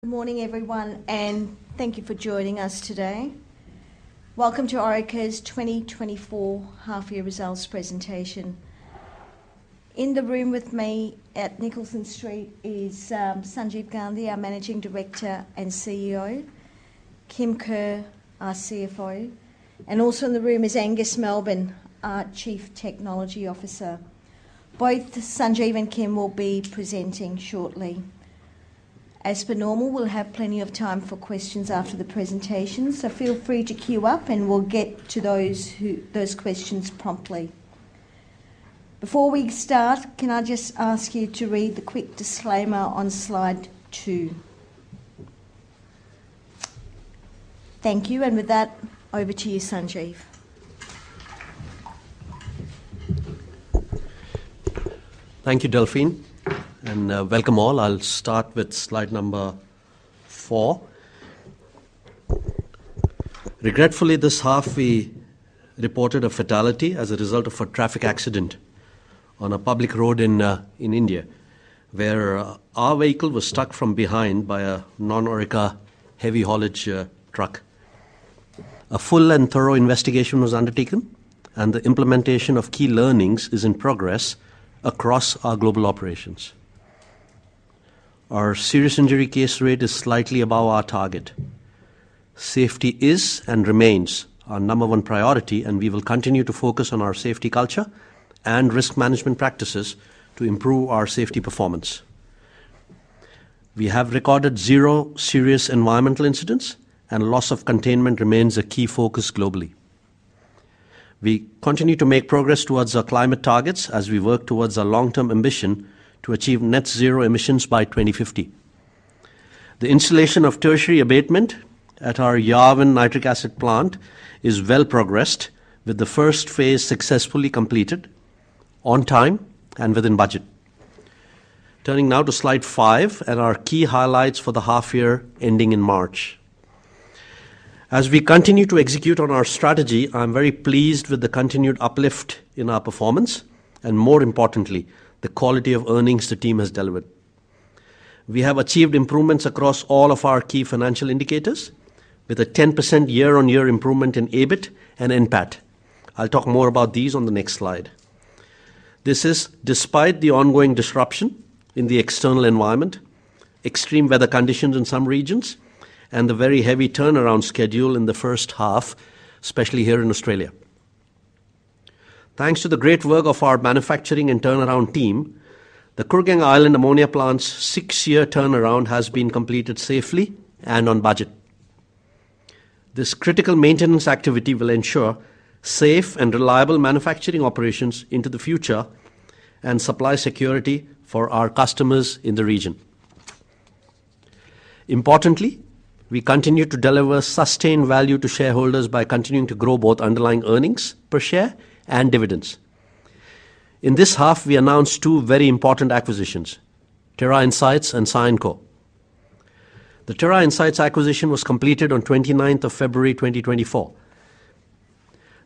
Good morning, everyone, and thank you for joining us today. Welcome to Orica's 2024 Half Year Results presentation. In the room with me at Nicholson Street is Sanjeev Gandhi, our Managing Director and CEO, Kim Kerr, our CFO, and also in the room is Angus Melbourne, our Chief Technology Officer. Both Sanjeev and Kim will be presenting shortly. As per normal, we'll have plenty of time for questions after the presentation, so feel free to queue up and we'll get to those questions promptly. Before we start, can I just ask you to read the quick disclaimer on slide two? Thank you, and with that, over to you, Sanjeev. Thank you, Delphine, and welcome all. I'll start with slide number 4. Regretfully, this half we reported a fatality as a result of a traffic accident on a public road in India, where our vehicle was struck from behind by a non-Orica heavy haulage truck. A full and thorough investigation was undertaken, and the implementation of key learnings is in progress across our global operations. Our serious injury case rate is slightly above our target. Safety is and remains our number one priority, and we will continue to focus on our safety culture and risk management practices to improve our safety performance. We have recorded zero serious environmental incidents, and loss of containment remains a key focus globally. We continue to make progress towards our climate targets as we work towards our long-term ambition to achieve Net Zero emissions by 2050. The installation of tertiary abatement at our Yarwun Nitric Acid plant is well progressed, with the first phase successfully completed on time and within budget. Turning now to slide five and our key highlights for the half year ending in March. As we continue to execute on our strategy, I'm very pleased with the continued uplift in our performance and, more importantly, the quality of earnings the team has delivered. We have achieved improvements across all of our key financial indicators, with a 10% year-on-year improvement in EBIT and NPAT. I'll talk more about these on the next slide. This is despite the ongoing disruption in the external environment, extreme weather conditions in some regions, and the very heavy turnaround schedule in the first half, especially here in Australia. Thanks to the great work of our manufacturing and turnaround team, the Kooragang Island ammonia plant's six-year turnaround has been completed safely and on budget. This critical maintenance activity will ensure safe and reliable manufacturing operations into the future and supply security for our customers in the region. Importantly, we continue to deliver sustained value to shareholders by continuing to grow both underlying earnings per share and dividends. In this half, we announced two very important acquisitions: Terra Insights and Cyanco. The Terra Insights acquisition was completed on 29 February 2024.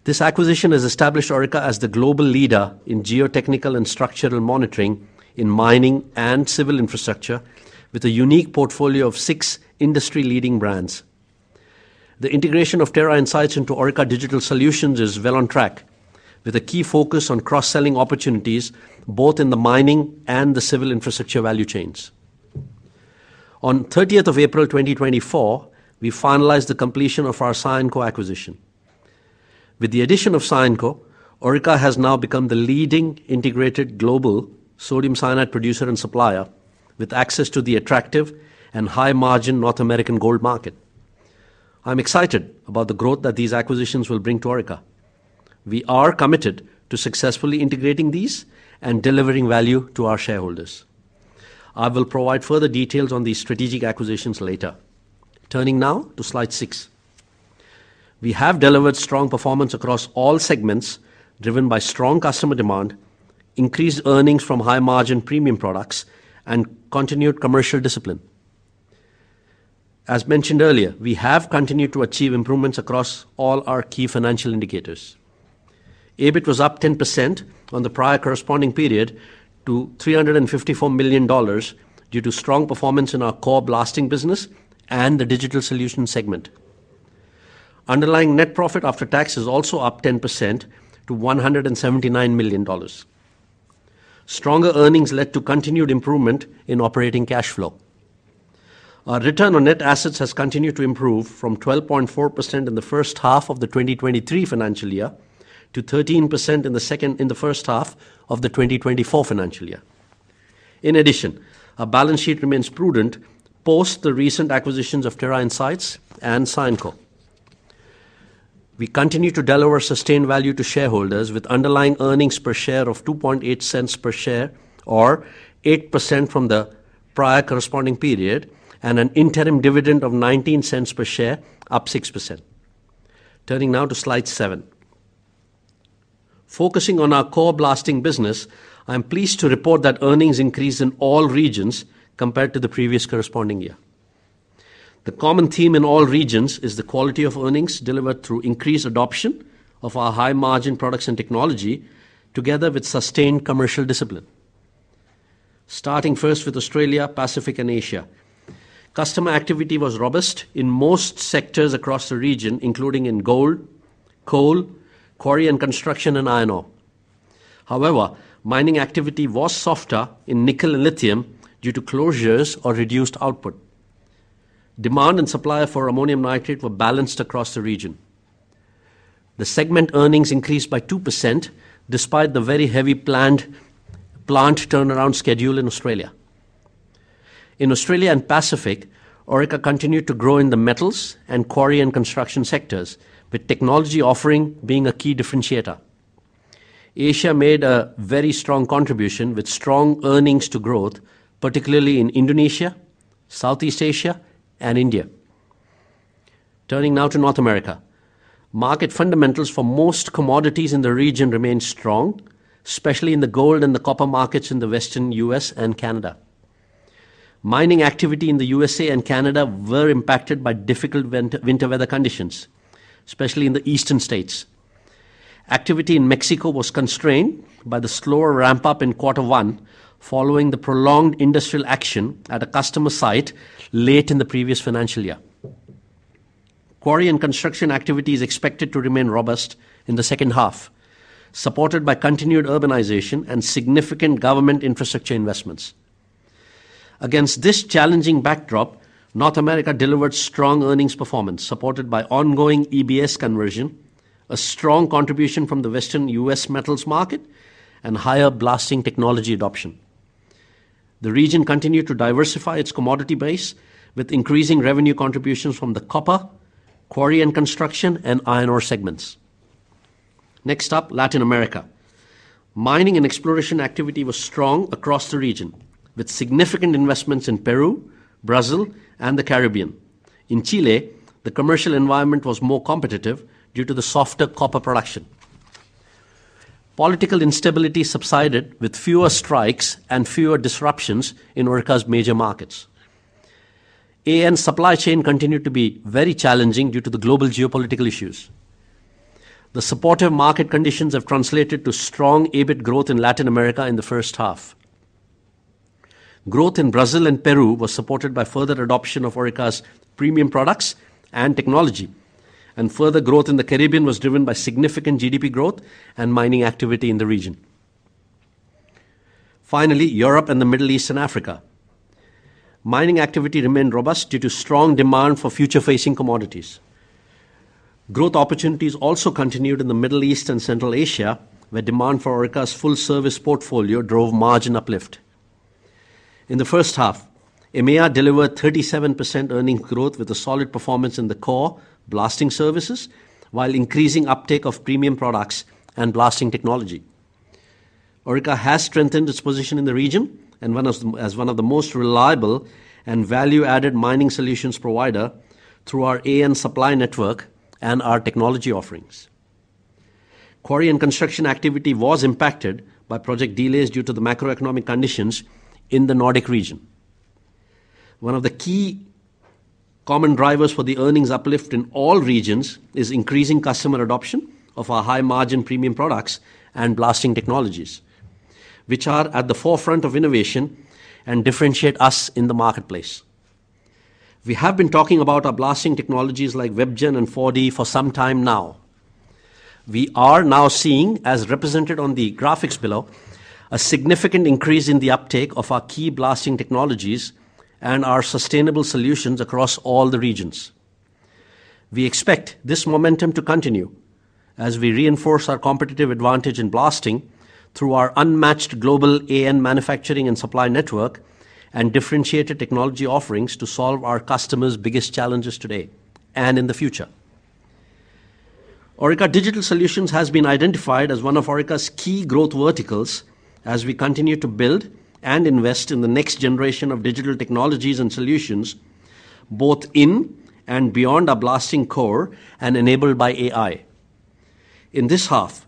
This acquisition has established Orica as the global leader in geotechnical and structural monitoring in mining and civil infrastructure, with a unique portfolio of six industry-leading brands. The integration of Terra Insights into Orica Digital Solutions is well on track, with a key focus on cross-selling opportunities both in the mining and the civil infrastructure value chains. On 30 April 2024, we finalized the completion of our Cyanco acquisition. With the addition of Cyanco, Orica has now become the leading integrated global sodium cyanide producer and supplier, with access to the attractive and high-margin North American gold market. I'm excited about the growth that these acquisitions will bring to Orica. We are committed to successfully integrating these and delivering value to our shareholders. I will provide further details on these strategic acquisitions later. Turning now to slide 6. We have delivered strong performance across all segments, driven by strong customer demand, increased earnings from high-margin premium products, and continued commercial discipline. As mentioned earlier, we have continued to achieve improvements across all our key financial indicators. EBIT was up 10% on the prior corresponding period to 354 million dollars due to strong performance in our core blasting business and the digital solutions segment. Underlying net profit after tax is also up 10% to 179 million dollars. Stronger earnings led to continued improvement in operating cash flow. Our return on net assets has continued to improve from 12.4% in the first half of the 2023 financial year to 13% in the first half of the 2024 financial year. In addition, our balance sheet remains prudent post the recent acquisitions of Terra Insights and Cyanco. We continue to deliver sustained value to shareholders, with underlying earnings per share of 0.028 per share, or 8% from the prior corresponding period, and an interim dividend of 0.19 per share, up 6%. Turning now to slide seven. Focusing on our core blasting business, I'm pleased to report that earnings increased in all regions compared to the previous corresponding year. The common theme in all regions is the quality of earnings delivered through increased adoption of our high-margin products and technology, together with sustained commercial discipline. Starting first with Australia, Pacific, and Asia. Customer activity was robust in most sectors across the region, including in gold, coal, quarry and construction, and iron ore. However, mining activity was softer in nickel and lithium due to closures or reduced output. Demand and supply for ammonium nitrate were balanced across the region. The segment earnings increased by 2% despite the very heavy planned plant turnaround schedule in Australia. In Australia and Pacific, Orica continued to grow in the metals and quarry and construction sectors, with technology offering being a key differentiator. Asia made a very strong contribution, with strong earnings to growth, particularly in Indonesia, Southeast Asia, and India. Turning now to North America. Market fundamentals for most commodities in the region remain strong, especially in the gold and the copper markets in the Western U.S. and Canada. Mining activity in the U.S.A. and Canada were impacted by difficult winter weather conditions, especially in the Eastern States. Activity in Mexico was constrained by the slower ramp-up in quarter one following the prolonged industrial action at a customer site late in the previous financial year. Quarry and construction activity is expected to remain robust in the second half, supported by continued urbanization and significant government infrastructure investments. Against this challenging backdrop, North America delivered strong earnings performance, supported by ongoing EBS conversion, a strong contribution from the Western U.S. metals market, and higher blasting technology adoption. The region continued to diversify its commodity base, with increasing revenue contributions from the copper, quarry and construction, and iron ore segments. Next up, Latin America. Mining and exploration activity was strong across the region, with significant investments in Peru, Brazil, and the Caribbean. In Chile, the commercial environment was more competitive due to the softer copper production. Political instability subsided, with fewer strikes and fewer disruptions in Orica's major markets. AN's supply chain continued to be very challenging due to the global geopolitical issues. The supportive market conditions have translated to strong EBIT growth in Latin America in the first half. Growth in Brazil and Peru was supported by further adoption of Orica's premium products and technology, and further growth in the Caribbean was driven by significant GDP growth and mining activity in the region. Finally, Europe and the Middle East and Africa. Mining activity remained robust due to strong demand for future-facing commodities. Growth opportunities also continued in the Middle East and Central Asia, where demand for Orica's full-service portfolio drove margin uplift. In the first half, EMEA delivered 37% earnings growth with a solid performance in the core blasting services while increasing uptake of premium products and blasting technology. Orica has strengthened its position in the region as one of the most reliable and value-added mining solutions providers through our AN supply network and our technology offerings. Quarry and construction activity was impacted by project delays due to the macroeconomic conditions in the Nordic region. One of the key common drivers for the earnings uplift in all regions is increasing customer adoption of our high-margin premium products and blasting technologies, which are at the forefront of innovation and differentiate us in the marketplace. We have been talking about our blasting technologies like WebGen and 4D for some time now. We are now seeing, as represented on the graphics below, a significant increase in the uptake of our key blasting technologies and our sustainable solutions across all the regions. We expect this momentum to continue as we reinforce our competitive advantage in blasting through our unmatched global AN manufacturing and supply network and differentiated technology offerings to solve our customers' biggest challenges today and in the future. Orica Digital Solutions has been identified as one of Orica's key growth verticals as we continue to build and invest in the next generation of digital technologies and solutions, both in and beyond our blasting core and enabled by AI. In this half,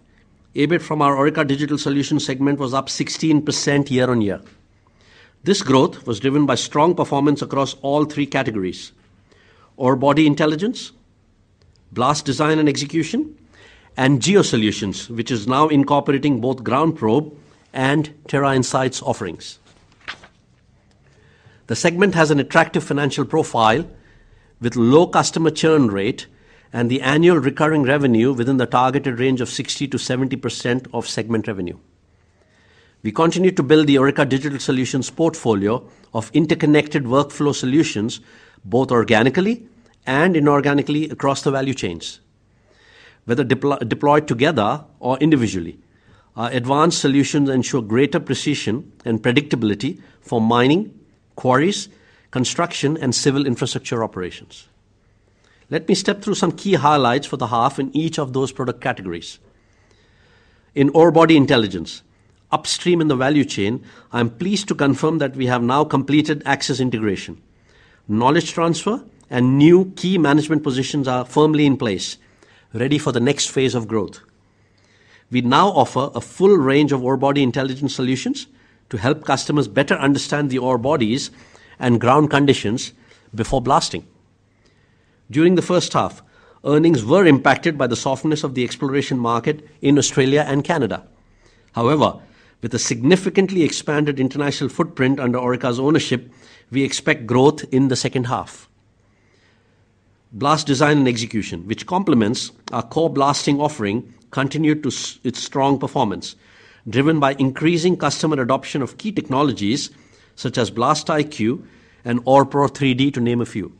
EBIT from our Orica Digital Solutions segment was up 16% year-on-year. This growth was driven by strong performance across all three categories: Ore Body Intelligence, Blast Design and Execution, and Geo Solutions, which is now incorporating both GroundProbe and Terra Insights offerings. The segment has an attractive financial profile with low customer churn rate and the annual recurring revenue within the targeted range of 60%-70% of segment revenue. We continue to build the Orica Digital Solutions portfolio of interconnected workflow solutions, both organically and inorganically, across the value chains. Whether deployed together or individually, our advanced solutions ensure greater precision and predictability for mining, quarries, construction, and civil infrastructure operations. Let me step through some key highlights for the half in each of those product categories. In Ore Body Intelligence, upstream in the value chain, I'm pleased to confirm that we have now completed Axis integration. Knowledge transfer and new key management positions are firmly in place, ready for the next phase of growth. We now offer a full range of ore body intelligence solutions to help customers better understand the ore bodies and ground conditions before blasting. During the first half, earnings were impacted by the softness of the exploration market in Australia and Canada. However, with a significantly expanded international footprint under Orica's ownership, we expect growth in the second half. Blast Design and Execution, which complements our core blasting offering, continued to its strong performance, driven by increasing customer adoption of key technologies such as BlastIQ and OrePro 3D, to name a few.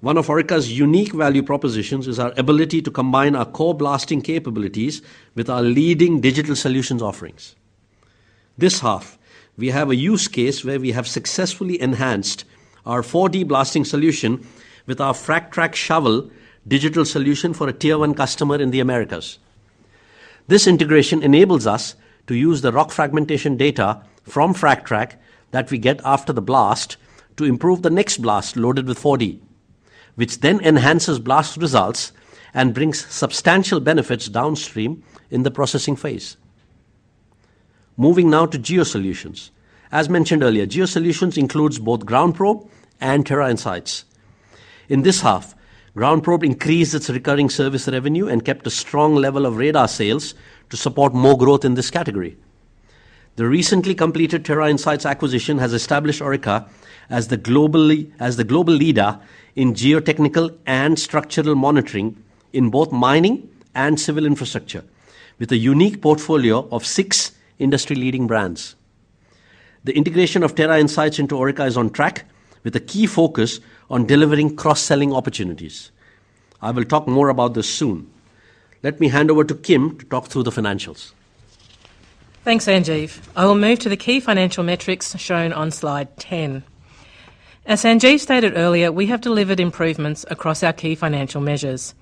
One of Orica's unique value propositions is our ability to combine our core blasting capabilities with our leading digital solutions offerings. This half, we have a use case where we have successfully enhanced our 4D blasting solution with our FragTrack Shovel digital solution for a tier one customer in the Americas. This integration enables us to use the rock fragmentation data from FragTrack that we get after the blast to improve the next blast loaded with 4D, which then enhances blast results and brings substantial benefits downstream in the processing phase. Moving now to Geo Solutions. As mentioned earlier, Geo Solutions includes both GroundProbe and Terra Insights. In this half, GroundProbe increased its recurring service revenue and kept a strong level of radar sales to support more growth in this category. The recently completed Terra Insights acquisition has established Orica as the global leader in geotechnical and structural monitoring in both mining and civil infrastructure, with a unique portfolio of six industry-leading brands. The integration of Terra Insights into Orica is on track, with a key focus on delivering cross-selling opportunities. I will talk more about this soon. Let me hand over to Kim to talk through the financials. Thanks, Sanjeev. I will move to the key financial metrics shown on slide 10. As Sanjeev stated earlier, we have delivered improvements across our key financial measures.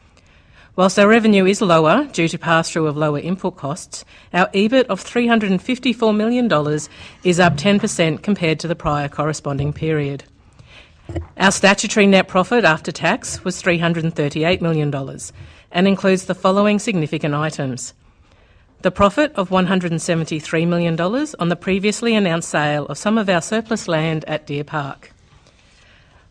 While our revenue is lower due to pass-through of lower input costs, our EBIT of 354 million dollars is up 10% compared to the prior corresponding period. Our statutory net profit after tax was 338 million dollars and includes the following significant items: the profit of 173 million dollars on the previously announced sale of some of our surplus land at Deer Park.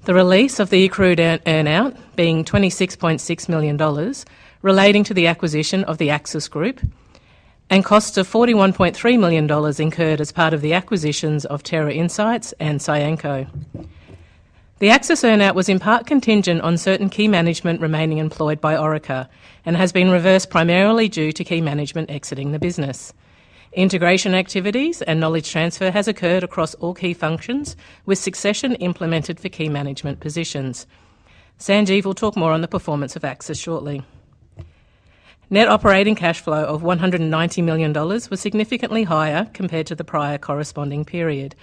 The release of the accrued earnout being 26.6 million dollars relating to the acquisition of the Axis Group. And costs of 41.3 million dollars incurred as part of the acquisitions of Terra Insights and Cyanco. The Axis earnout was in part contingent on certain key management remaining employed by Orica and has been reversed primarily due to key management exiting the business. Integration activities and knowledge transfer have occurred across all key functions, with succession implemented for key management positions. Sanjeev will talk more on the performance of Axis shortly. Net operating cash flow of 190 million dollars was significantly higher compared to the prior corresponding period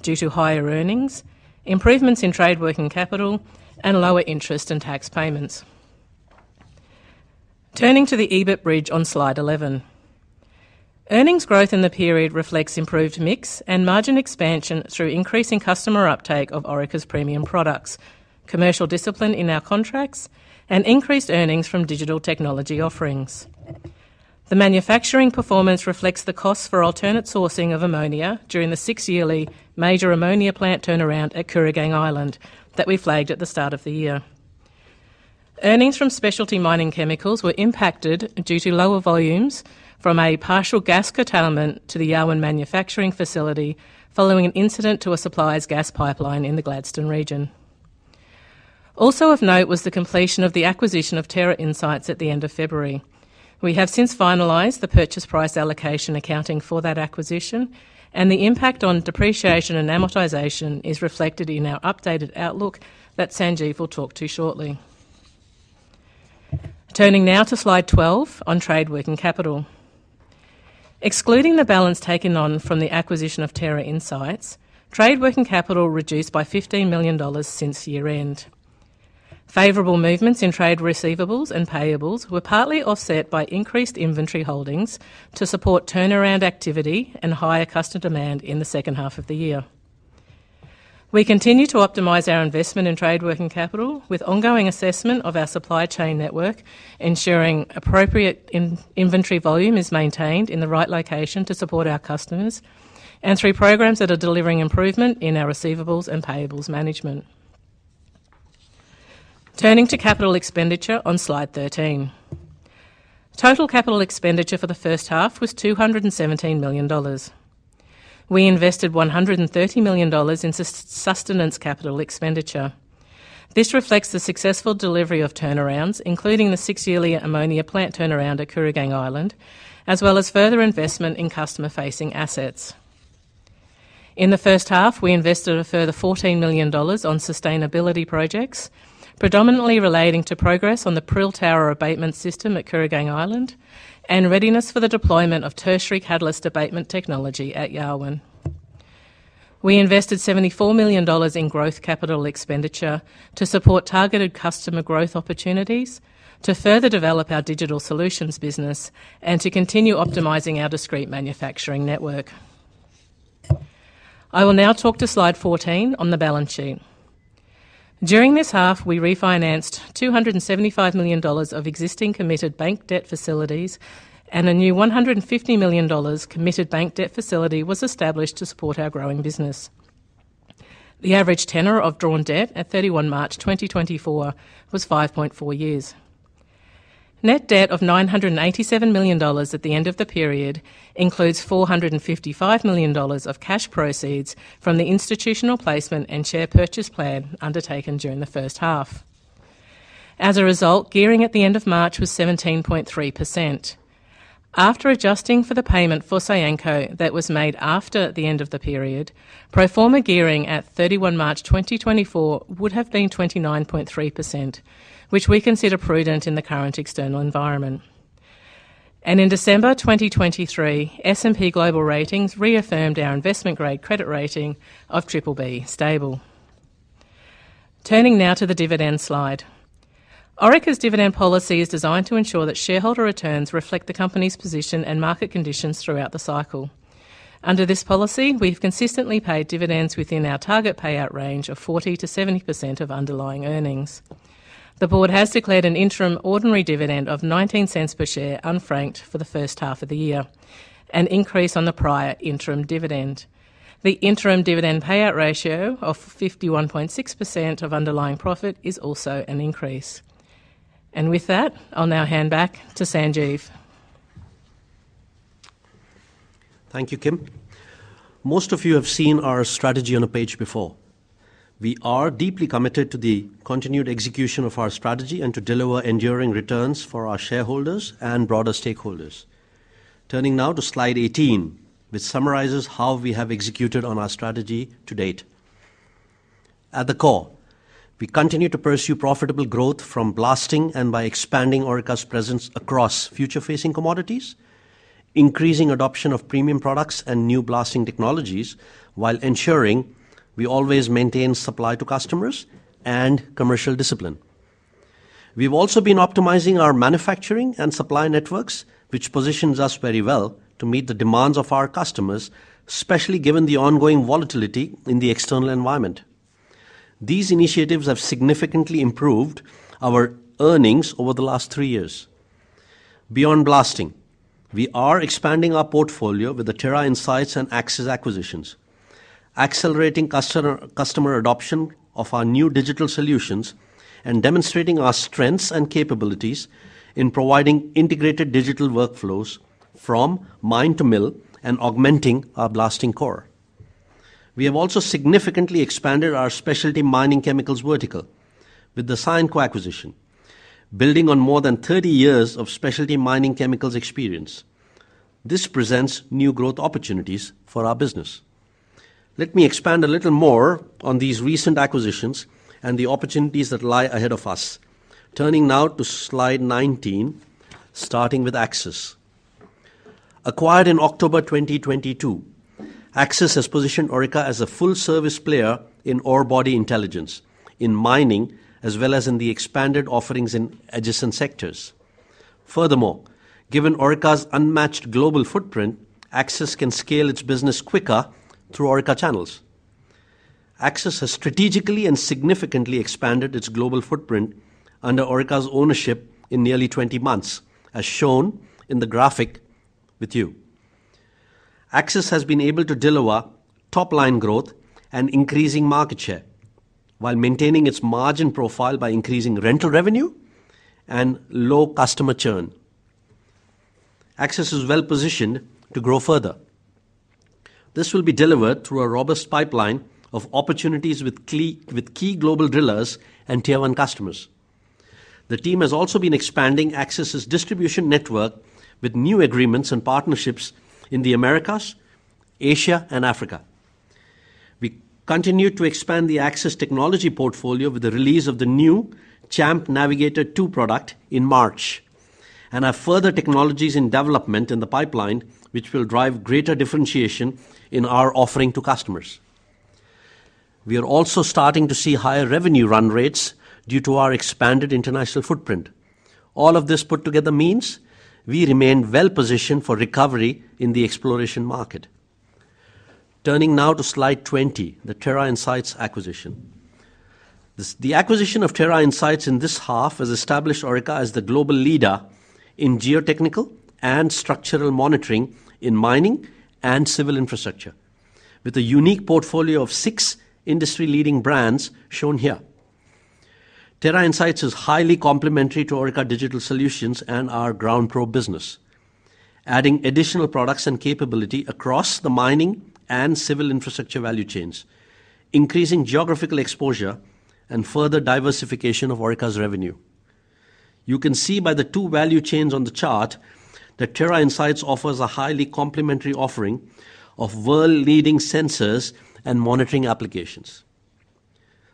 due to higher earnings, improvements in trade working capital, and lower interest and tax payments. Turning to the EBIT bridge on slide 11. Earnings growth in the period reflects improved mix and margin expansion through increasing customer uptake of Orica's premium products, commercial discipline in our contracts, and increased earnings from digital technology offerings. The manufacturing performance reflects the costs for alternate sourcing of ammonia during the six-yearly major ammonia plant turnaround at Kooragang Island that we flagged at the start of the year. Earnings from specialty mining chemicals were impacted due to lower volumes from a partial gas curtailment to the Yarwun manufacturing facility following an incident to a supplier's gas pipeline in the Gladstone region. Also of note was the completion of the acquisition of Terra Insights at the end of February. We have since finalized the purchase price allocation accounting for that acquisition, and the impact on depreciation and amortization is reflected in our updated outlook that Sanjeev will talk to shortly. Turning now to slide 12 on trade working capital. Excluding the balance taken on from the acquisition of Terra Insights, trade working capital reduced by 15 million dollars since year-end. Favourable movements in trade receivables and payables were partly offset by increased inventory holdings to support turnaround activity and higher customer demand in the second half of the year. We continue to optimize our investment in trade working capital with ongoing assessment of our supply chain network, ensuring appropriate inventory volume is maintained in the right location to support our customers, and through programs that are delivering improvement in our receivables and payables management. Turning to capital expenditure on slide 13. Total capital expenditure for the first half was 217 million dollars. We invested 130 million dollars in sustaining capital expenditure. This reflects the successful delivery of turnarounds, including the six-yearly ammonia plant turnaround at Kooragang Island, as well as further investment in customer-facing assets. In the first half, we invested a further 14 million dollars on sustainability projects, predominantly relating to progress on the Prill Tower abatement system at Kooragang Island and readiness for the deployment of tertiary catalyst abatement technology at Yarwun. We invested 74 million dollars in growth capital expenditure to support targeted customer growth opportunities, to further develop our digital solutions business, and to continue optimizing our discrete manufacturing network. I will now talk to slide 14 on the balance sheet. During this half, we refinanced 275 million dollars of existing committed bank debt facilities, and a new 150 million dollars committed bank debt facility was established to support our growing business. The average tenor of drawn debt at 31 March 2024 was 5.4 years. Net debt of 987 million dollars at the end of the period includes 455 million dollars of cash proceeds from the institutional placement and share purchase plan undertaken during the first half. As a result, gearing at the end of March was 17.3%. After adjusting for the payment for Cyanco that was made after the end of the period, pro forma gearing at 31 March 2024 would have been 29.3%, which we consider prudent in the current external environment. In December 2023, S&P Global Ratings reaffirmed our investment-grade credit rating of BBB, stable. Turning now to the dividend slide. Orica's dividend policy is designed to ensure that shareholder returns reflect the company's position and market conditions throughout the cycle. Under this policy, we've consistently paid dividends within our target payout range of 40%-70% of underlying earnings. The board has declared an interim ordinary dividend of 0.19 per share unfranked for the first half of the year, an increase on the prior interim dividend. The interim dividend payout ratio of 51.6% of underlying profit is also an increase. And with that, I'll now hand back to Sanjeev. Thank you, Kim. Most of you have seen our strategy on a page before. We are deeply committed to the continued execution of our strategy and to deliver enduring returns for our shareholders and broader stakeholders. Turning now to slide 18, which summarizes how we have executed on our strategy to date. At the core, we continue to pursue profitable growth from blasting and by expanding Orica's presence across future-facing commodities, increasing adoption of premium products and new blasting technologies, while ensuring we always maintain supply to customers and commercial discipline. We've also been optimizing our manufacturing and supply networks, which positions us very well to meet the demands of our customers, especially given the ongoing volatility in the external environment. These initiatives have significantly improved our earnings over the last three years. Beyond blasting, we are expanding our portfolio with the Terra Insights and Axis acquisitions, accelerating customer adoption of our new digital solutions, and demonstrating our strengths and capabilities in providing integrated digital workflows from mine to mill and augmenting our blasting core. We have also significantly expanded our specialty mining chemicals vertical with the Cyanco acquisition, building on more than 30 years of specialty mining chemicals experience. This presents new growth opportunities for our business. Let me expand a little more on these recent acquisitions and the opportunities that lie ahead of us. Turning now to slide 19, starting with Axis. Acquired in October 2022, Axis has positioned Orica as a full-service player in ore body intelligence, in mining, as well as in the expanded offerings in adjacent sectors. Furthermore, given Orica's unmatched global footprint, Axis can scale its business quicker through Orica channels. Axis has strategically and significantly expanded its global footprint under Orica's ownership in nearly 20 months, as shown in the graphic with you. Axis has been able to deliver top-line growth and increasing market share while maintaining its margin profile by increasing rental revenue and low customer churn. Axis is well-positioned to grow further. This will be delivered through a robust pipeline of opportunities with key global drillers and tier one customers. The team has also been expanding Axis's distribution network with new agreements and partnerships in the Americas, Asia, and Africa. We continue to expand the Axis technology portfolio with the release of the new CHAMP Navigator 2 product in March, and have further technologies in development in the pipeline which will drive greater differentiation in our offering to customers. We are also starting to see higher revenue run rates due to our expanded international footprint. All of this put together means we remain well-positioned for recovery in the exploration market. Turning now to slide 20, the Terra Insights acquisition. The acquisition of Terra Insights in this half has established Orica as the global leader in geotechnical and structural monitoring in mining and civil infrastructure, with a unique portfolio of six industry-leading brands shown here. Terra Insights is highly complementary to Orica Digital Solutions and our GroundProbe business, adding additional products and capability across the mining and civil infrastructure value chains, increasing geographical exposure, and further diversification of Orica's revenue. You can see by the two value chains on the chart that Terra Insights offers a highly complementary offering of world-leading sensors and monitoring applications.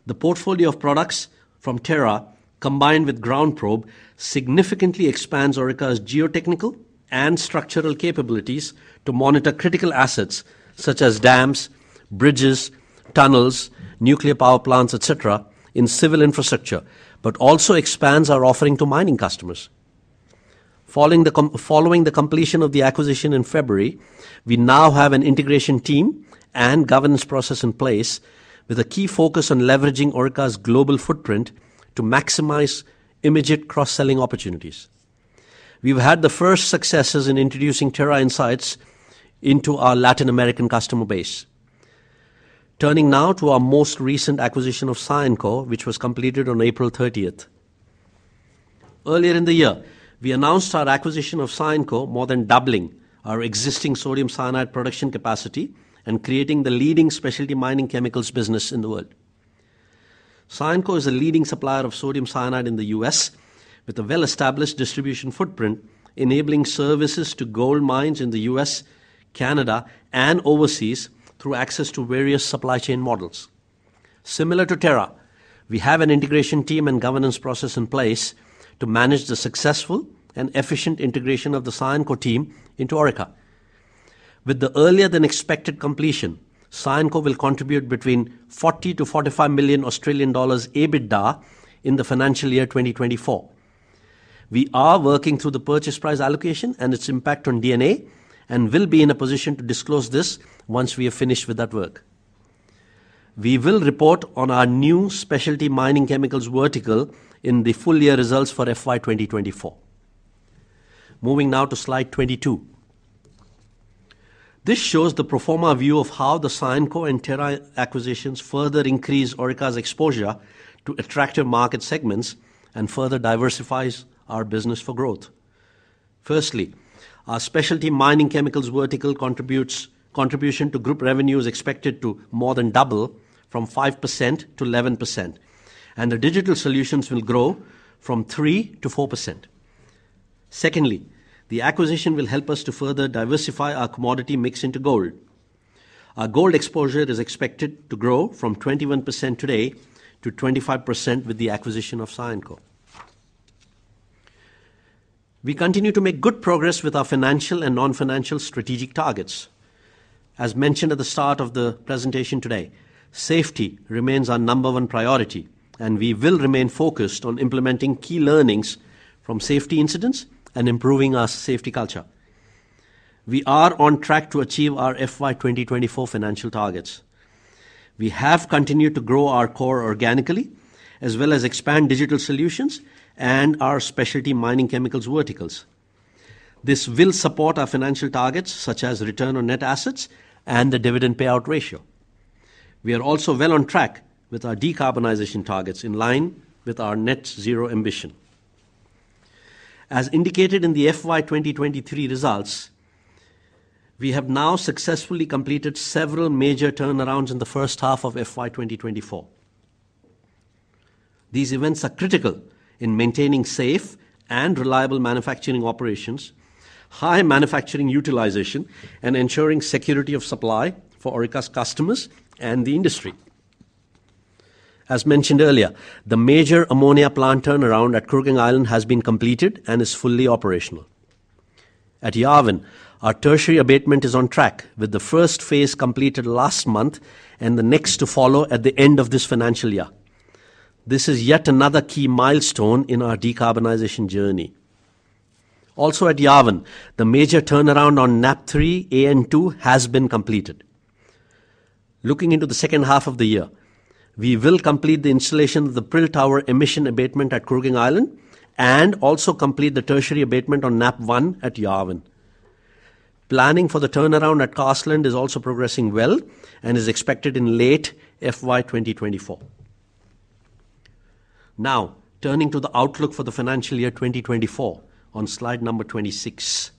The portfolio of products from Terra, combined with GroundProbe, significantly expands Orica's geotechnical and structural capabilities to monitor critical assets such as dams, bridges, tunnels, nuclear power plants, etc., in civil infrastructure, but also expands our offering to mining customers. Following the completion of the acquisition in February, we now have an integration team and governance process in place with a key focus on leveraging Orica's global footprint to maximize immediate cross-selling opportunities. We've had the first successes in introducing Terra Insights into our Latin American customer base. Turning now to our most recent acquisition of Cyanco, which was completed on April 30th. Earlier in the year, we announced our acquisition of Cyanco more than doubling our existing sodium cyanide production capacity and creating the leading specialty mining chemicals business in the world. Cyanco is a leading supplier of sodium cyanide in the US with a well-established distribution footprint, enabling services to gold mines in the US, Canada, and overseas through access to various supply chain models. Similar to Terra, we have an integration team and governance process in place to manage the successful and efficient integration of the Cyanco team into Orica. With the earlier-than-expected completion, Cyanco will contribute between 40 million-45 million Australian dollars EBITDA in the financial year 2024. We are working through the purchase price allocation and its impact on EBITDA and will be in a position to disclose this once we have finished with that work. We will report on our new specialty mining chemicals vertical in the full-year results for FY 2024. Moving now to slide 22. This shows the pro forma view of how the Cyanco and Terra acquisitions further increase Orica's exposure to attractive market segments and further diversifies our business for growth. Firstly, our specialty mining chemicals vertical contribution to group revenue is expected to more than double from 5%-11%, and the digital solutions will grow from 3%-4%. Secondly, the acquisition will help us to further diversify our commodity mix into gold. Our gold exposure is expected to grow from 21% today to 25% with the acquisition of Cyanco. We continue to make good progress with our financial and non-financial strategic targets. As mentioned at the start of the presentation today, safety remains our number one priority, and we will remain focused on implementing key learnings from safety incidents and improving our safety culture. We are on track to achieve our FY 2024 financial targets. We have continued to grow our core organically, as well as expand digital solutions and our specialty mining chemicals verticals. This will support our financial targets such as return on net assets and the dividend payout ratio. We are also well on track with our decarbonization targets in line with our net-zero ambition. As indicated in the FY 2023 results, we have now successfully completed several major turnarounds in the first half of FY 2024. These events are critical in maintaining safe and reliable manufacturing operations, high manufacturing utilization, and ensuring security of supply for Orica's customers and the industry. As mentioned earlier, the major ammonia plant turnaround at Kooragang Island has been completed and is fully operational. At Yarwun, our tertiary abatement is on track with the first phase completed last month and the next to follow at the end of this financial year. This is yet another key milestone in our decarbonization journey. Also at Yarwun, the major turnaround on NAP-3 AN2 has been completed. Looking into the second half of the year, we will complete the installation of the Prill Tower emission abatement at Kooragang Island and also complete the tertiary abatement on NAP-1 at Yarwun. Planning for the turnaround at Carseland is also progressing well and is expected in late FY 2024. Now, turning to the outlook for the financial year 2024 on slide number 26.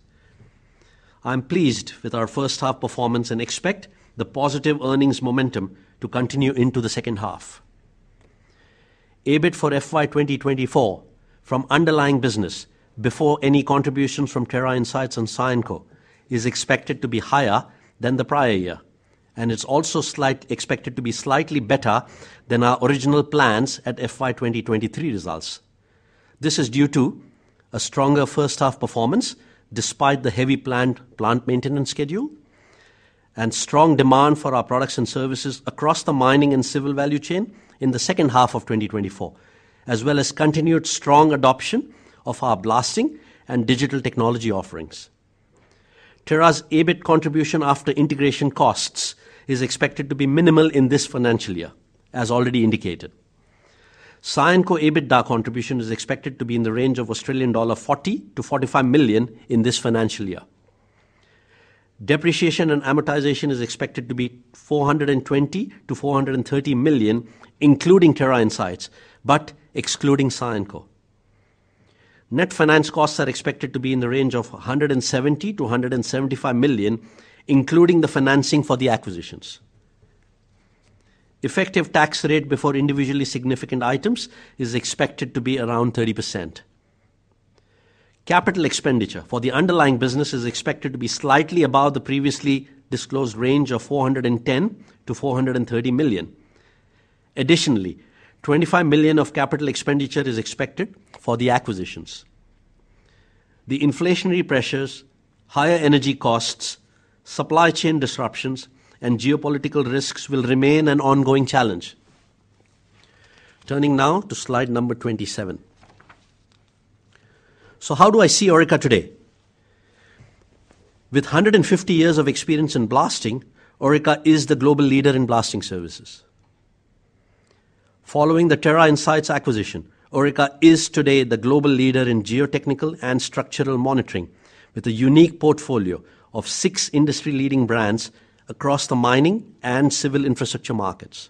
I'm pleased with our first-half performance and expect the positive earnings momentum to continue into the second half. EBIT for FY 2024 from underlying business before any contributions from Terra Insights and Cyanco is expected to be higher than the prior year, and it's also expected to be slightly better than our original plans at FY 2023 results. This is due to a stronger first-half performance despite the heavy planned plant maintenance schedule and strong demand for our products and services across the mining and civil value chain in the second half of 2024, as well as continued strong adoption of our blasting and digital technology offerings. Terra's EBITA contribution after integration costs is expected to be minimal in this financial year, as already indicated. Cyanco EBITDA contribution is expected to be in the range of 40 million-45 million Australian dollar in this financial year. Depreciation and amortization is expected to be 420 million-430 million, including Terra Insights, but excluding Cyanco. Net finance costs are expected to be in the range of 170 million-175 million, including the financing for the acquisitions. Effective tax rate before individually significant items is expected to be around 30%. Capital expenditure for the underlying business is expected to be slightly above the previously disclosed range of 410 million-430 million. Additionally, 25 million of capital expenditure is expected for the acquisitions. The inflationary pressures, higher energy costs, supply chain disruptions, and geopolitical risks will remain an ongoing challenge. Turning now to slide number 27. So how do I see Orica today? With 150 years of experience in blasting, Orica is the global leader in blasting services. Following the Terra Insights acquisition, Orica is today the global leader in geotechnical and structural monitoring with a unique portfolio of six industry-leading brands across the mining and civil infrastructure markets.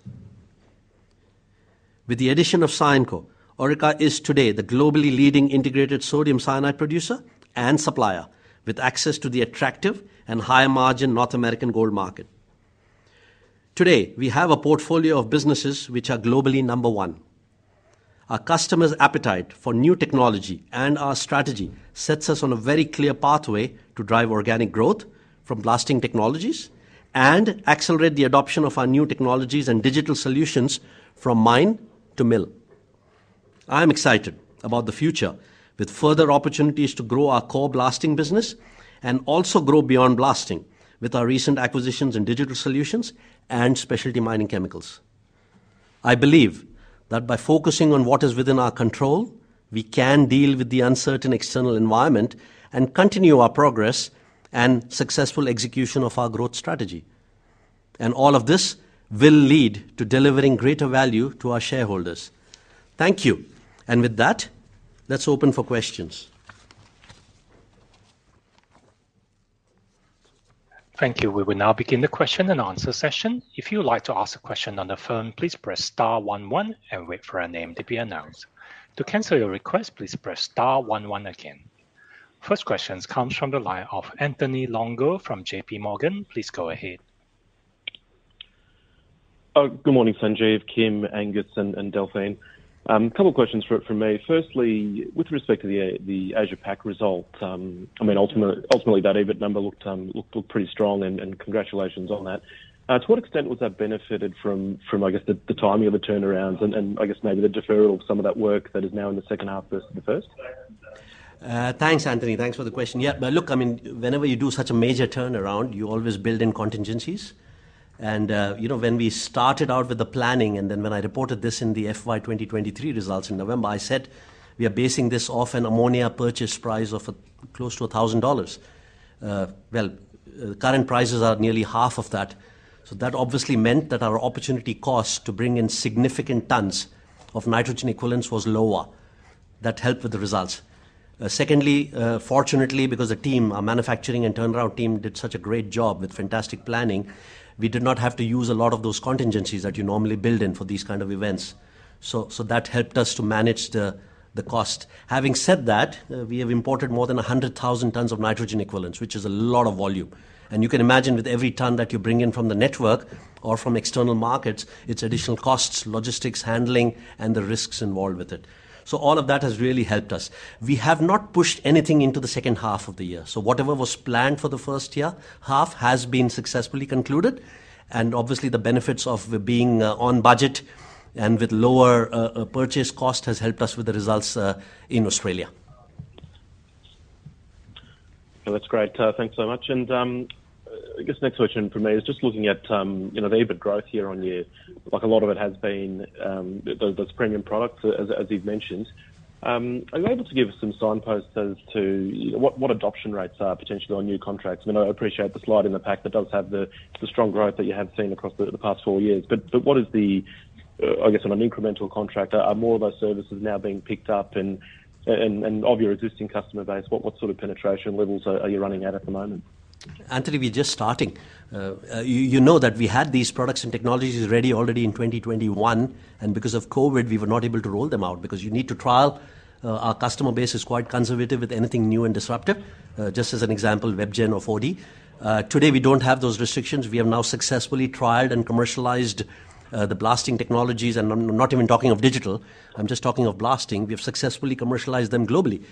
With the addition of Cyanco, Orica is today the globally leading integrated sodium cyanide producer and supplier with access to the attractive and high-margin North American gold market. Today, we have a portfolio of businesses which are globally number one. Our customers' appetite for new technology and our strategy sets us on a very clear pathway to drive organic growth from blasting technologies and accelerate the adoption of our new technologies and digital solutions from mine to mill. I am excited about the future with further opportunities to grow our core blasting business and also grow beyond blasting with our recent acquisitions in digital solutions and specialty mining chemicals. I believe that by focusing on what is within our control, we can deal with the uncertain external environment and continue our progress and successful execution of our growth strategy. All of this will lead to delivering greater value to our shareholders. Thank you, and with that, let's open for questions. Thank you. We will now begin the question and answer session. If you would like to ask a question on the phone, please press star one one and wait for our name to be announced. To cancel your request, please press star one one again. First question comes from the line of Anthony Longo from J.P. Morgan. Please go ahead. Good morning, Sanjeev, Kim, Angus, and Delphine. A couple of questions for me. Firstly, with respect to the Asia Pac result, I mean, ultimately that EBIT number looked pretty strong, and congratulations on that. To what extent was that benefited from, I guess, the timing of the turnarounds and, I guess, maybe the deferral of some of that work that is now in the second half versus the first? Thanks, Anthony. Thanks for the question. Yeah, but look, I mean, whenever you do such a major turnaround, you always build in contingencies. And when we started out with the planning, and then when I reported this in the FY 2023 results in November, I said we are basing this off an ammonia purchase price of close to $1,000. Well, current prices are nearly half of that. So that obviously meant that our opportunity cost to bring in significant tons of nitrogen equivalents was lower. That helped with the results. Secondly, fortunately, because the team, our manufacturing and turnaround team, did such a great job with fantastic planning, we did not have to use a lot of those contingencies that you normally build in for these kinds of events. So that helped us to manage the cost. Having said that, we have imported more than 100,000 tons of nitrogen equivalents, which is a lot of volume. And you can imagine with every ton that you bring in from the network or from external markets, it's additional costs, logistics, handling, and the risks involved with it. So all of that has really helped us. We have not pushed anything into the second half of the year. So whatever was planned for the first half has been successfully concluded. And obviously, the benefits of being on budget and with lower purchase costs have helped us with the results in Australia. That's great. Thanks so much. And I guess the next question for me is just looking at the EBIT growth year-on-year. A lot of it has been those premium products, as you've mentioned. Are you able to give us some signposts as to what adoption rates are potentially on new contracts? I mean, I appreciate the slide in the pack that does have the strong growth that you have seen across the past four years. But what is the, I guess, on an incremental contract, are more of those services now being picked up? And of your existing customer base, what sort of penetration levels are you running at at the moment? Anthony, we're just starting. You know that we had these products and technologies ready already in 2021, and because of COVID, we were not able to roll them out because you need to trial. Our customer base is quite conservative with anything new and disruptive. Just as an example, WebGen or 4D. Today, we don't have those restrictions. We have now successfully trialed and commercialized the blasting technologies, and I'm not even talking of digital. I'm just talking of blasting. We have successfully commercialized them globally.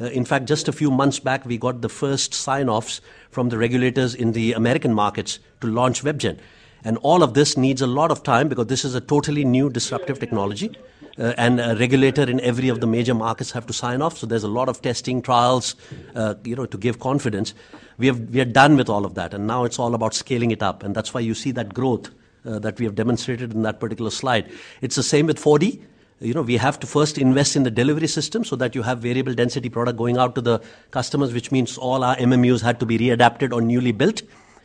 In fact, just a few months back, we got the first sign-offs from the regulators in the American markets to launch WebGen. All of this needs a lot of time because this is a totally new disruptive technology, and a regulator in every of the major markets has to sign off. So there's a lot of testing, trials, to give confidence. We are done with all of that, and now it's all about scaling it up. That's why you see that growth that we have demonstrated in that particular slide. It's the same with 4D. We have to first invest in the delivery system so that you have variable density product going out to the customers, which means all our MMUs had to be readapted or newly built,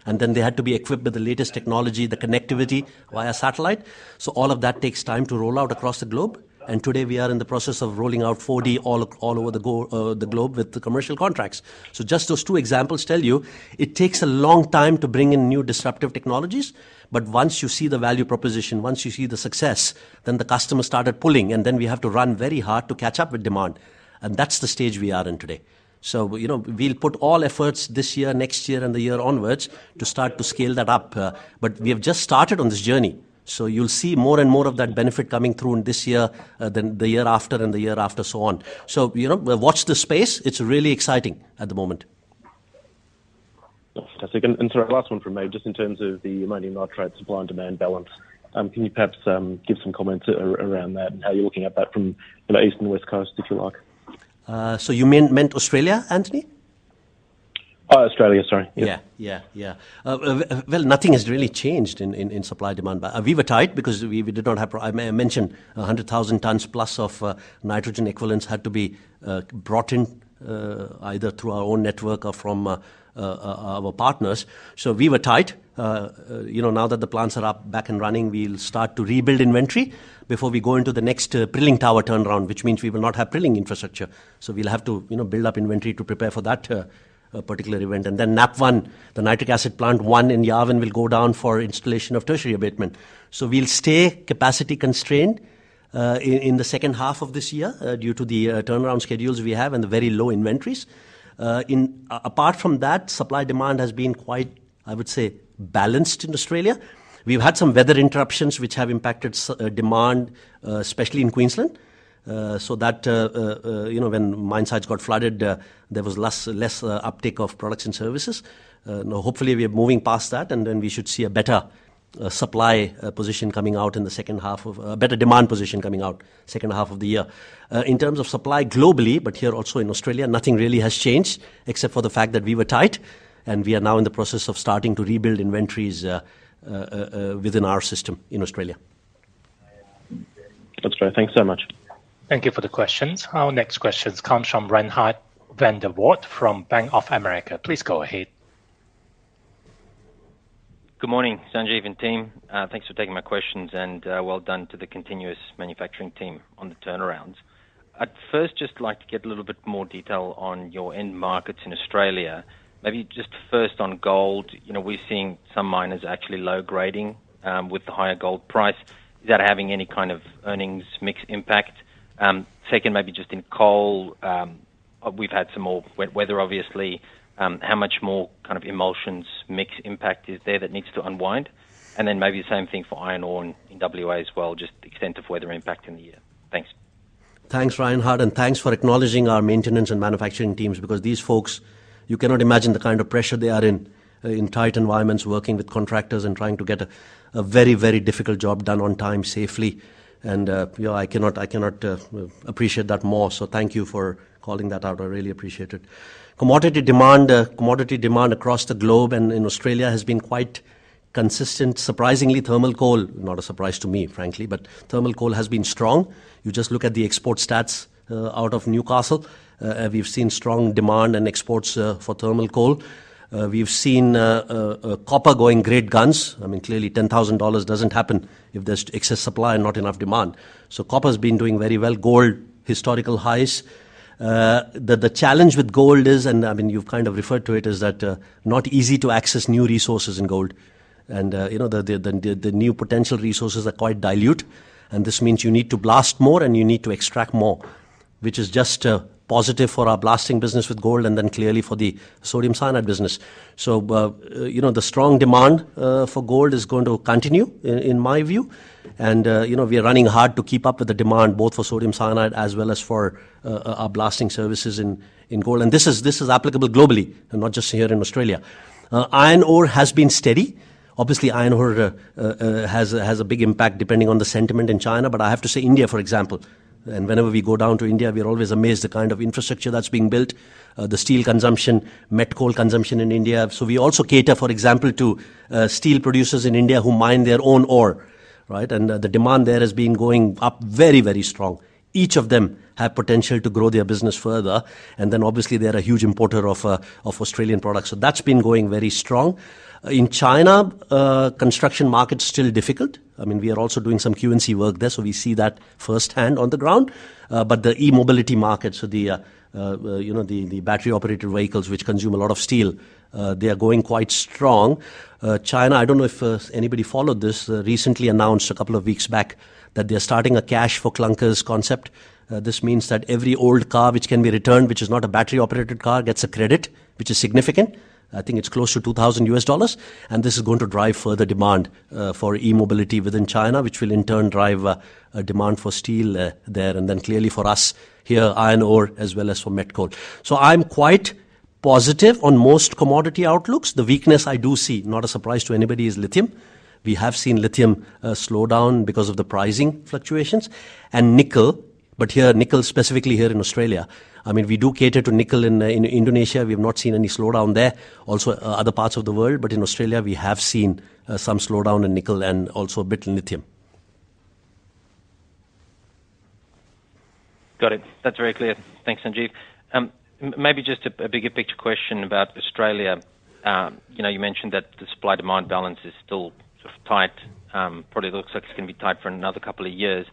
and then they had to be equipped with the latest technology, the connectivity via satellite. So all of that takes time to roll out across the globe. Today, we are in the process of rolling out 4D all over the globe with the commercial contracts. Just those two examples tell you it takes a long time to bring in new disruptive technologies. But once you see the value proposition, once you see the success, then the customer started pulling, and then we have to run very hard to catch up with demand. And that's the stage we are in today. So we'll put all efforts this year, next year, and the year onwards to start to scale that up. But we have just started on this journey. So you'll see more and more of that benefit coming through this year than the year after and the year after, so on. So watch this space. It's really exciting at the moment. Fantastic. And sorry, last one from me, just in terms of the mining nitrate supply and demand balance. Can you perhaps give some comments around that and how you're looking at that from east and west coast, if you like? So you meant Australia, Anthony? Australia, sorry. Yeah, yeah, yeah. Well, nothing has really changed in supply and demand. We were tight because we did not have—I mentioned 100,000 tons plus of nitrogen equivalents had to be brought in either through our own network or from our partners. So we were tight. Now that the plants are back and running, we'll start to rebuild inventory before we go into the next Prill Tower turnaround, which means we will not have prilling infrastructure. So we'll have to build up inventory to prepare for that particular event. And then NAP-1, the nitric acid plant one in Yarwun, will go down for installation of tertiary abatement. So we'll stay capacity constrained in the second half of this year due to the turnaround schedules we have and the very low inventories. Apart from that, supply and demand has been quite, I would say, balanced in Australia. We've had some weather interruptions which have impacted demand, especially in Queensland. So when mine sites got flooded, there was less uptake of products and services. Hopefully, we are moving past that, and then we should see a better demand position coming out second half of the year. In terms of supply globally, but here also in Australia, nothing really has changed except for the fact that we were tight, and we are now in the process of starting to rebuild inventories within our system in Australia. That's great. Thanks so much. Thank you for the questions. Our next questions come from Reinhard van der Walt from Bank of America. Please go ahead. Good morning, Sanjeev and team. Thanks for taking my questions, and well done to the continuous manufacturing team on the turnarounds. At first, just like to get a little bit more detail on your end markets in Australia. Maybe just first on gold, we're seeing some miners actually low grading with the higher gold price. Is that having any kind of earnings mix impact? Second, maybe just in coal, we've had some more wet weather, obviously. How much more kind of emulsions mix impact is there that needs to unwind? And then maybe the same thing for iron ore in WA as well, just the extent of weather impact in the year. Thanks. Thanks, Reinhard, and thanks for acknowledging our maintenance and manufacturing teams because these folks, you cannot imagine the kind of pressure they are in tight environments working with contractors and trying to get a very, very difficult job done on time, safely. I cannot appreciate that more. Thank you for calling that out. I really appreciate it. Commodity demand across the globe and in Australia has been quite consistent. Surprisingly, thermal coal - not a surprise to me, frankly - but thermal coal has been strong. You just look at the export stats out of Newcastle. We've seen strong demand and exports for thermal coal. We've seen copper going great guns. I mean, clearly, $10,000 doesn't happen if there's excess supply and not enough demand. Copper has been doing very well. Gold, historical highs. The challenge with gold is, and I mean, you've kind of referred to it, is that it's not easy to access new resources in gold. The new potential resources are quite dilute, and this means you need to blast more and you need to extract more, which is just positive for our blasting business with gold and then clearly for the sodium cyanide business. The strong demand for gold is going to continue, in my view. We are running hard to keep up with the demand, both for sodium cyanide as well as for our blasting services in gold. This is applicable globally, not just here in Australia. Iron ore has been steady. Obviously, iron ore has a big impact depending on the sentiment in China. I have to say India, for example. And whenever we go down to India, we are always amazed at the kind of infrastructure that's being built, the steel consumption, met coal consumption in India. So we also cater, for example, to steel producers in India who mine their own ore. And the demand there has been going up very, very strong. Each of them have potential to grow their business further. And then obviously, they are a huge importer of Australian products. So that's been going very strong. In China, construction market's still difficult. I mean, we are also doing some Q&C work there, so we see that firsthand on the ground. But the e-mobility market, so the battery-operated vehicles which consume a lot of steel, they are going quite strong. China, I don't know if anybody followed this, recently announced a couple of weeks back that they are starting a cash-for-clunkers concept. This means that every old car which can be returned, which is not a battery-operated car, gets a credit, which is significant. I think it's close to $2,000. And this is going to drive further demand for e-mobility within China, which will in turn drive demand for steel there and then clearly for us here, iron ore, as well as for met coal. So I'm quite positive on most commodity outlooks. The weakness I do see, not a surprise to anybody, is lithium. We have seen lithium slow down because of the pricing fluctuations. And nickel, but here, nickel specifically here in Australia. I mean, we do cater to nickel in Indonesia. We have not seen any slowdown there, also other parts of the world. But in Australia, we have seen some slowdown in nickel and also a bit in lithium. Got it. That's very clear. Thanks, Sanjeev. Maybe just a bigger picture question about Australia. You mentioned that the supply-demand balance is still tight. Probably looks like it's going to be tight for another couple of years.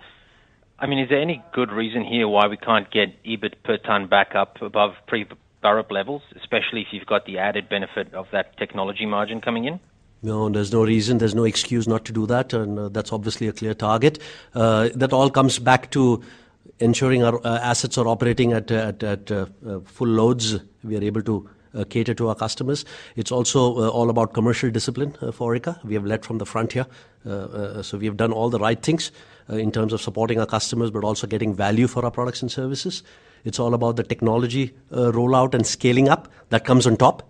I mean, is there any good reason here why we can't get EBIT per tonne back up above pre-COVID levels, especially if you've got the added benefit of that technology margin coming in? No, there's no reason. There's no excuse not to do that. And that's obviously a clear target. That all comes back to ensuring our assets are operating at full loads we are able to cater to our customers. It's also all about commercial discipline for Orica. We have led from the front here. So we have done all the right things in terms of supporting our customers, but also getting value for our products and services. It's all about the technology rollout and scaling up that comes on top,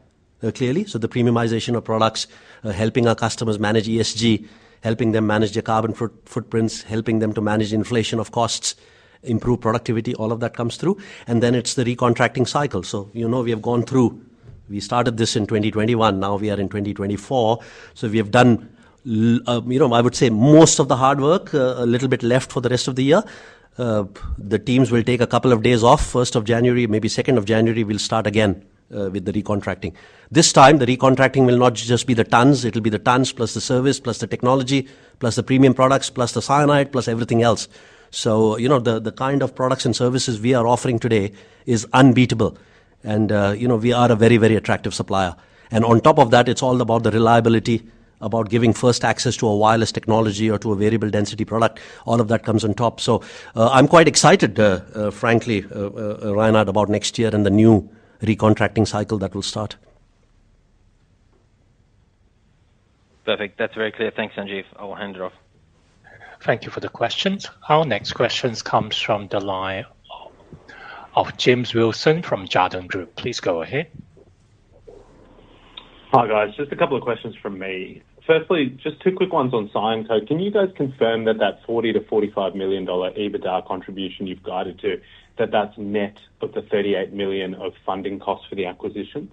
clearly. So the premiumization of products, helping our customers manage ESG, helping them manage their carbon footprints, helping them to manage inflation of costs, improve productivity, all of that comes through. And then it's the recontracting cycle. So we have gone through. We started this in 2021. Now we are in 2024. So we have done, I would say, most of the hard work. A little bit left for the rest of the year. The teams will take a couple of days off. 1st of January, maybe 2nd of January, we'll start again with the recontracting. This time, the recontracting will not just be the tons. It'll be the tons plus the service plus the technology plus the premium products plus the cyanide plus everything else. So the kind of products and services we are offering today is unbeatable. And we are a very, very attractive supplier. And on top of that, it's all about the reliability, about giving first access to a wireless technology or to a variable density product. All of that comes on top. So I'm quite excited, frankly, Reinhard, about next year and the new recontracting cycle that will start. Perfect. That's very clear. Thanks, Sanjeev. I'll hand it off. Thank you for the questions. Our next questions come from the line of James Wilson from Jarden Group. Please go ahead. Hi guys. Just a couple of questions from me. Firstly, just two quick ones on Cyanco. Can you guys confirm that that $40 million-$45 million EBITDA contribution you've guided to, that that's net of the $38 million of funding costs for the acquisitions?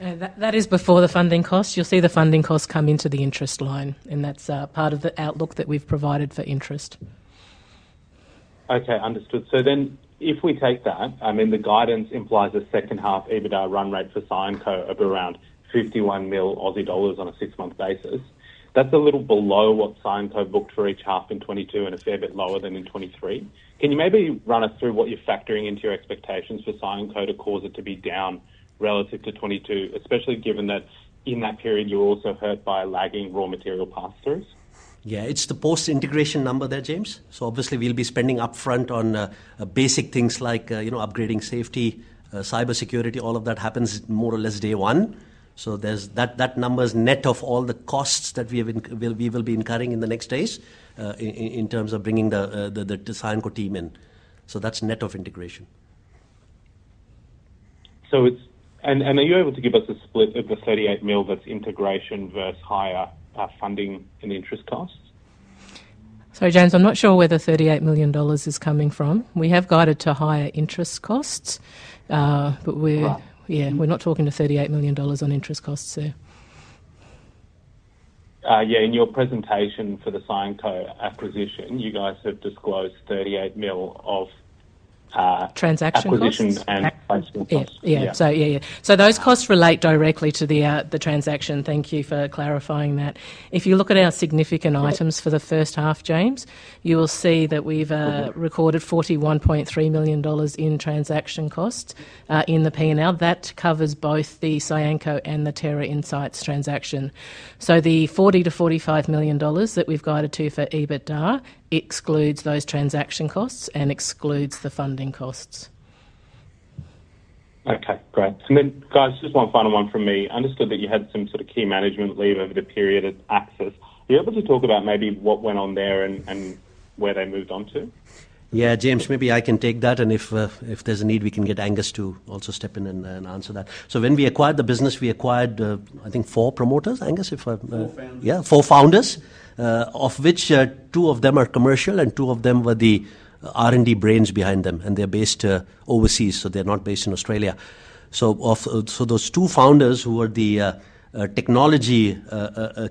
That is before the funding costs. You'll see the funding costs come into the interest line, and that's part of the outlook that we've provided for interest. Okay, understood. So then if we take that, I mean, the guidance implies a second-half EBITDA run rate for Cyanco of around 51 million Aussie dollars on a six-month basis. That's a little below what Cyanco booked for each half in 2022 and a fair bit lower than in 2023. Can you maybe run us through what you're factoring into your expectations for Cyanco to cause it to be down relative to 2022, especially given that in that period you were also hurt by lagging raw material pass-throughs? Yeah, it's the post-integration number there, James. So obviously, we'll be spending upfront on basic things like upgrading safety, cybersecurity. All of that happens more or less day one. So that number's net of all the costs that we will be incurring in the next days in terms of bringing the Cyanco team in. So that's net of integration. Are you able to give us a split of the 38 million that's integration versus higher funding and interest costs? Sorry, James. I'm not sure where the 38 million dollars is coming from. We have guided to higher interest costs, but we're not talking to 38 million dollars on interest costs there. Yeah, in your presentation for the Cyanco acquisition, you guys have disclosed $38 million of acquisition and taxable costs. Transaction costs. Yeah. So those costs relate directly to the transaction. Thank you for clarifying that. If you look at our significant items for the first half, James, you will see that we've recorded 41.3 million dollars in transaction costs in the P&L. That covers both the Cyanco and the Terra Insights transaction. So the 40 million-45 million dollars that we've guided to for EBITDA excludes those transaction costs and excludes the funding costs. Okay, great. Guys, just one final one from me. Understood that you had some sort of key management leave over the period at Axis. Are you able to talk about maybe what went on there and where they moved onto? Yeah, James, maybe I can dig that. And if there's a need, we can get Angus to also step in and answer that. So when we acquired the business, we acquired, I think, four promoters. Angus, if I'm— Four founders? Yeah, 4 founders, of which two of them are commercial and two of them were the R&D brains behind them. They're based overseas, so they're not based in Australia. So those two founders who were the technology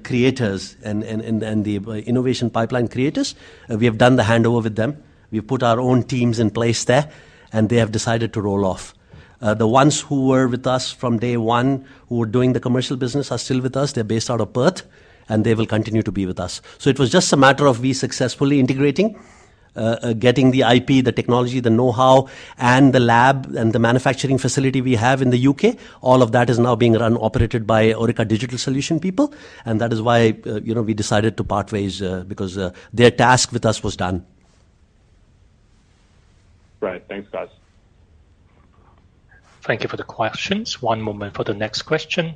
creators and the innovation pipeline creators, we have done the handover with them. We've put our own teams in place there, and they have decided to roll off. The ones who were with us from day one, who were doing the commercial business, are still with us. They're based out of Perth, and they will continue to be with us. So it was just a matter of we successfully integrating, getting the IP, the technology, the know-how, and the lab and the manufacturing facility we have in the UK. All of that is now being run and operated by Orica Digital Solutions people. That is why we decided to part ways because their task with us was done. Right. Thanks, guys. Thank you for the questions. One moment for the next question.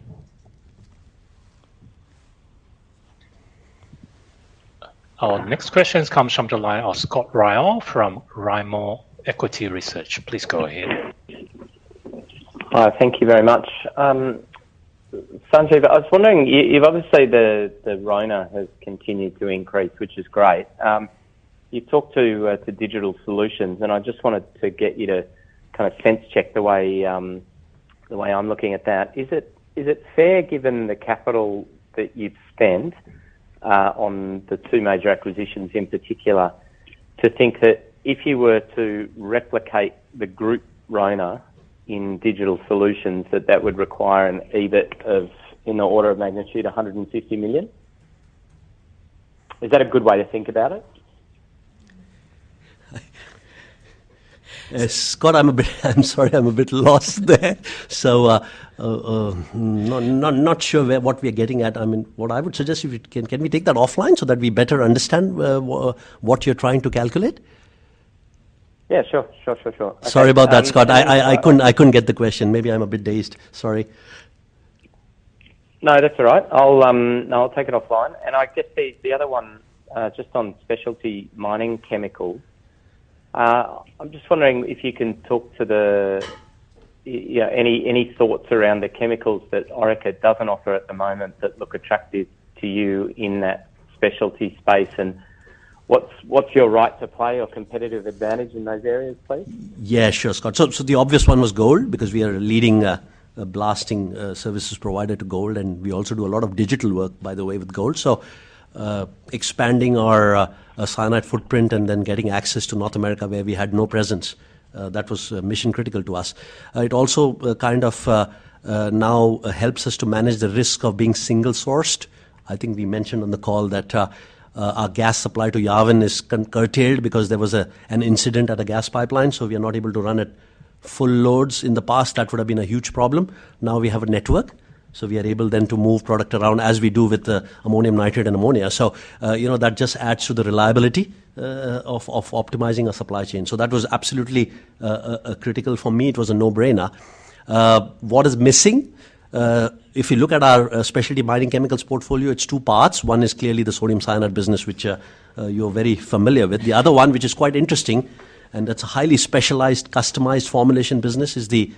Our next questions come from the line of Scott Ryall from Rimor Equity Research. Please go ahead. Hi. Thank you very much. Sanjeev, I was wondering, you've obviously the ROIC has continued to increase, which is great. You've talked to Digital Solutions, and I just wanted to get you to kind of sense-check the way I'm looking at that. Is it fair, given the capital that you've spent on the two major acquisitions in particular, to think that if you were to replicate the group ROIC in Digital Solutions, that that would require an EBIT of, in the order of magnitude, 150 million? Is that a good way to think about it? Scott, I'm sorry. I'm a bit lost there. Not sure what we're getting at. I mean, what I would suggest, if you can, can we take that offline so that we better understand what you're trying to calculate? Yeah, sure. Sure, sure, sure. Sorry about that, Scott. I couldn't get the question. Maybe I'm a bit dazed. Sorry. No, that's all right. I'll take it offline. And I guess the other one, just on specialty mining chemicals, I'm just wondering if you can talk to any thoughts around the chemicals that Orica doesn't offer at the moment that look attractive to you in that specialty space and what's your right to play or competitive advantage in those areas, please? Yeah, sure, Scott. The obvious one was gold because we are a leading blasting services provider to gold, and we also do a lot of digital work, by the way, with gold. Expanding our cyanide footprint and then getting access to North America where we had no presence, that was mission-critical to us. It also kind of now helps us to manage the risk of being single-sourced. I think we mentioned on the call that our gas supply to Yarwun is curtailed because there was an incident at a gas pipeline, so we are not able to run at full loads. In the past, that would have been a huge problem. Now we have a network, so we are able then to move product around as we do with ammonium nitrate and ammonia. That just adds to the reliability of optimizing our supply chain. So that was absolutely critical for me. It was a no-brainer. What is missing? If you look at our specialty mining chemicals portfolio, it's two parts. One is clearly the sodium cyanide business, which you're very familiar with. The other one, which is quite interesting, and that's a highly specialized, customized formulation business, is the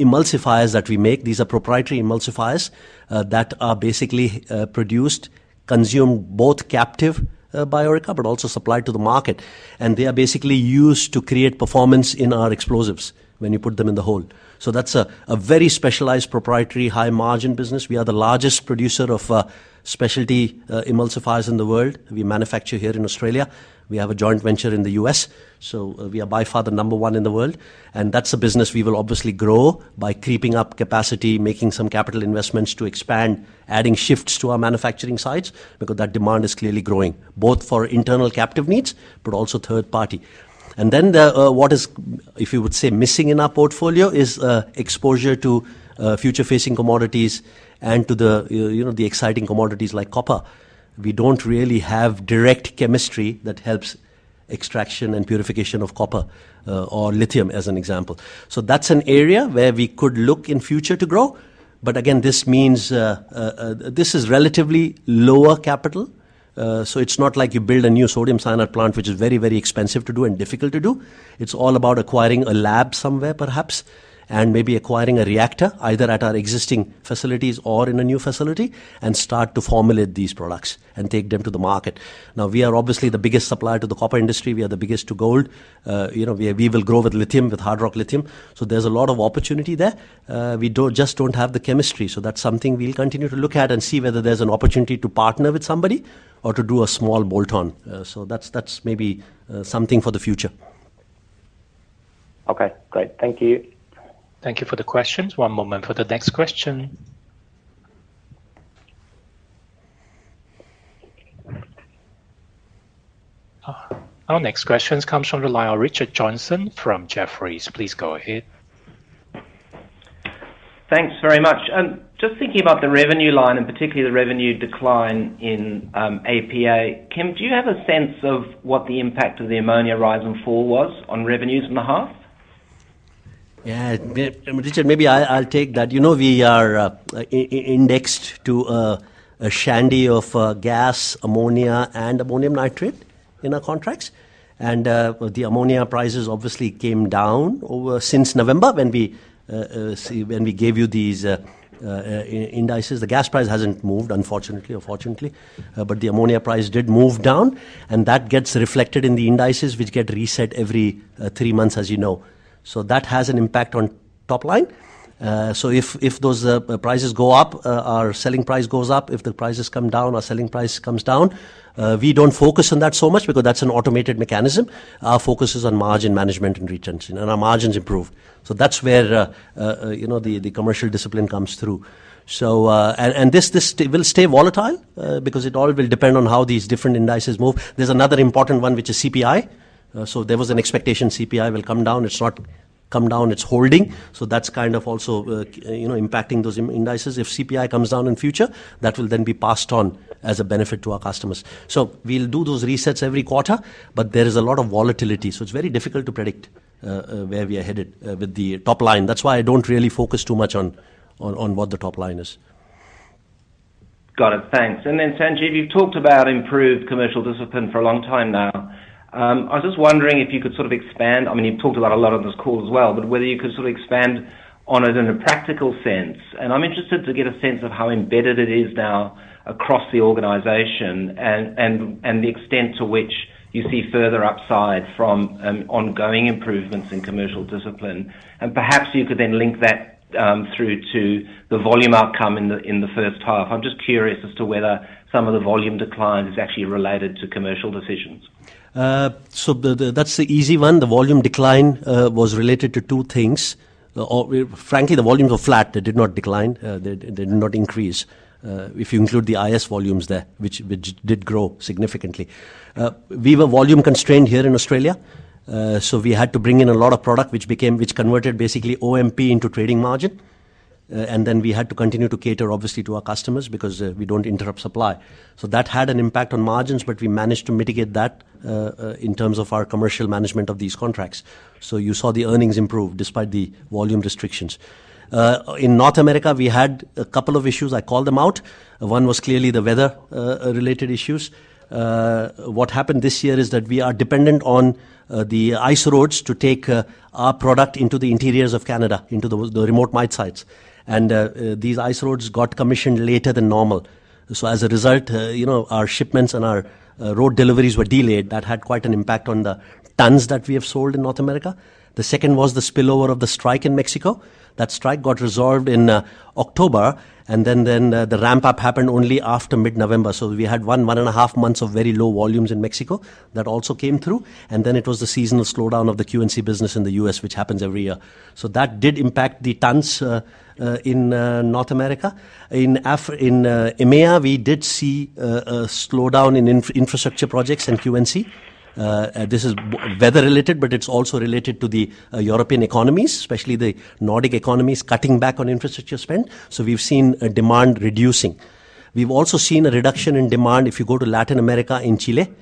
emulsifiers that we make. These are proprietary emulsifiers that are basically produced, consumed both captive by Orica, but also supplied to the market. And they are basically used to create performance in our explosives when you put them in the hole. So that's a very specialized, proprietary, high-margin business. We are the largest producer of specialty emulsifiers in the world. We manufacture here in Australia. We have a joint venture in the U.S. So we are by far the number one in the world. That's a business we will obviously grow by creeping up capacity, making some capital investments to expand, adding shifts to our manufacturing sites because that demand is clearly growing, both for internal captive needs but also third-party. And then what is, if you would say, missing in our portfolio is exposure to future-facing commodities and to the exciting commodities like copper. We don't really have direct chemistry that helps extraction and purification of copper or lithium, as an example. So that's an area where we could look in future to grow. But again, this means this is relatively lower capital. So it's not like you build a new sodium cyanide plant, which is very, very expensive to do and difficult to do. It's all about acquiring a lab somewhere, perhaps, and maybe acquiring a reactor, either at our existing facilities or in a new facility, and start to formulate these products and take them to the market. Now, we are obviously the biggest supplier to the copper industry. We are the biggest to gold. We will grow with lithium, with hard rock lithium. So there's a lot of opportunity there. We just don't have the chemistry. So that's something we'll continue to look at and see whether there's an opportunity to partner with somebody or to do a small bolt-on. So that's maybe something for the future. Okay, great. Thank you. Thank you for the questions. One moment for the next question. Our next questions come from the line of Richard Johnson from Jefferies. Please go ahead. Thanks very much. Just thinking about the revenue line and particularly the revenue decline in APA, Kim, do you have a sense of what the impact of the ammonia rise and fall was on revenues in the half? Yeah. Richard, maybe I'll take that. We are indexed to a basket of gas, ammonia, and ammonium nitrate in our contracts. The ammonia prices obviously came down since November when we gave you these indices. The gas price hasn't moved, unfortunately or fortunately. The ammonia price did move down, and that gets reflected in the indices, which get reset every three months, as you know. That has an impact on top line. If those prices go up, our selling price goes up. If the prices come down, our selling price comes down. We don't focus on that so much because that's an automated mechanism. Our focus is on margin management and retention. Our margins improved. That's where the commercial discipline comes through. This will stay volatile because it all will depend on how these different indices move. There's another important one, which is CPI. So there was an expectation CPI will come down. It's not come down. It's holding. So that's kind of also impacting those indices. If CPI comes down in future, that will then be passed on as a benefit to our customers. So we'll do those resets every quarter, but there is a lot of volatility. So it's very difficult to predict where we are headed with the top line. That's why I don't really focus too much on what the top line is. Got it. Thanks. And then Sanjeev, you've talked about improved commercial discipline for a long time now. I was just wondering if you could sort of expand. I mean, you've talked about a lot on this call as well, but whether you could sort of expand on it in a practical sense. And I'm interested to get a sense of how embedded it is now across the organization and the extent to which you see further upside from ongoing improvements in commercial discipline. And perhaps you could then link that through to the volume outcome in the first half. I'm just curious as to whether some of the volume declines is actually related to commercial decisions. So that's the easy one. The volume decline was related to two things. Frankly, the volumes were flat. They did not decline. They did not increase if you include the IS volumes there, which did grow significantly. We were volume-constrained here in Australia, so we had to bring in a lot of product, which converted basically OMP into trading margin. And then we had to continue to cater, obviously, to our customers because we don't interrupt supply. So that had an impact on margins, but we managed to mitigate that in terms of our commercial management of these contracts. So you saw the earnings improve despite the volume restrictions. In North America, we had a couple of issues. I called them out. One was clearly the weather-related issues. What happened this year is that we are dependent on the ice roads to take our product into the interiors of Canada, into the remote mine sites. These ice roads got commissioned later than normal. As a result, our shipments and our road deliveries were delayed. That had quite an impact on the tons that we have sold in North America. The second was the spillover of the strike in Mexico. That strike got resolved in October, and then the ramp-up happened only after mid-November. So we had one and a half months of very low volumes in Mexico. That also came through. Then it was the seasonal slowdown of the Q&C business in the U.S., which happens every year. So that did impact the tons in North America. In EMEA, we did see a slowdown in infrastructure projects and Q&C. This is weather-related, but it's also related to the European economies, especially the Nordic economies, cutting back on infrastructure spend. So we've seen demand reducing. We've also seen a reduction in demand. If you go to Latin America, in Chile,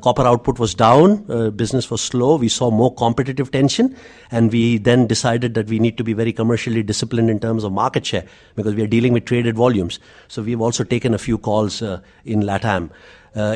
copper output was down. Business was slow. We saw more competitive tension. And we then decided that we need to be very commercially disciplined in terms of market share because we are dealing with traded volumes. So we've also taken a few calls in LATAM.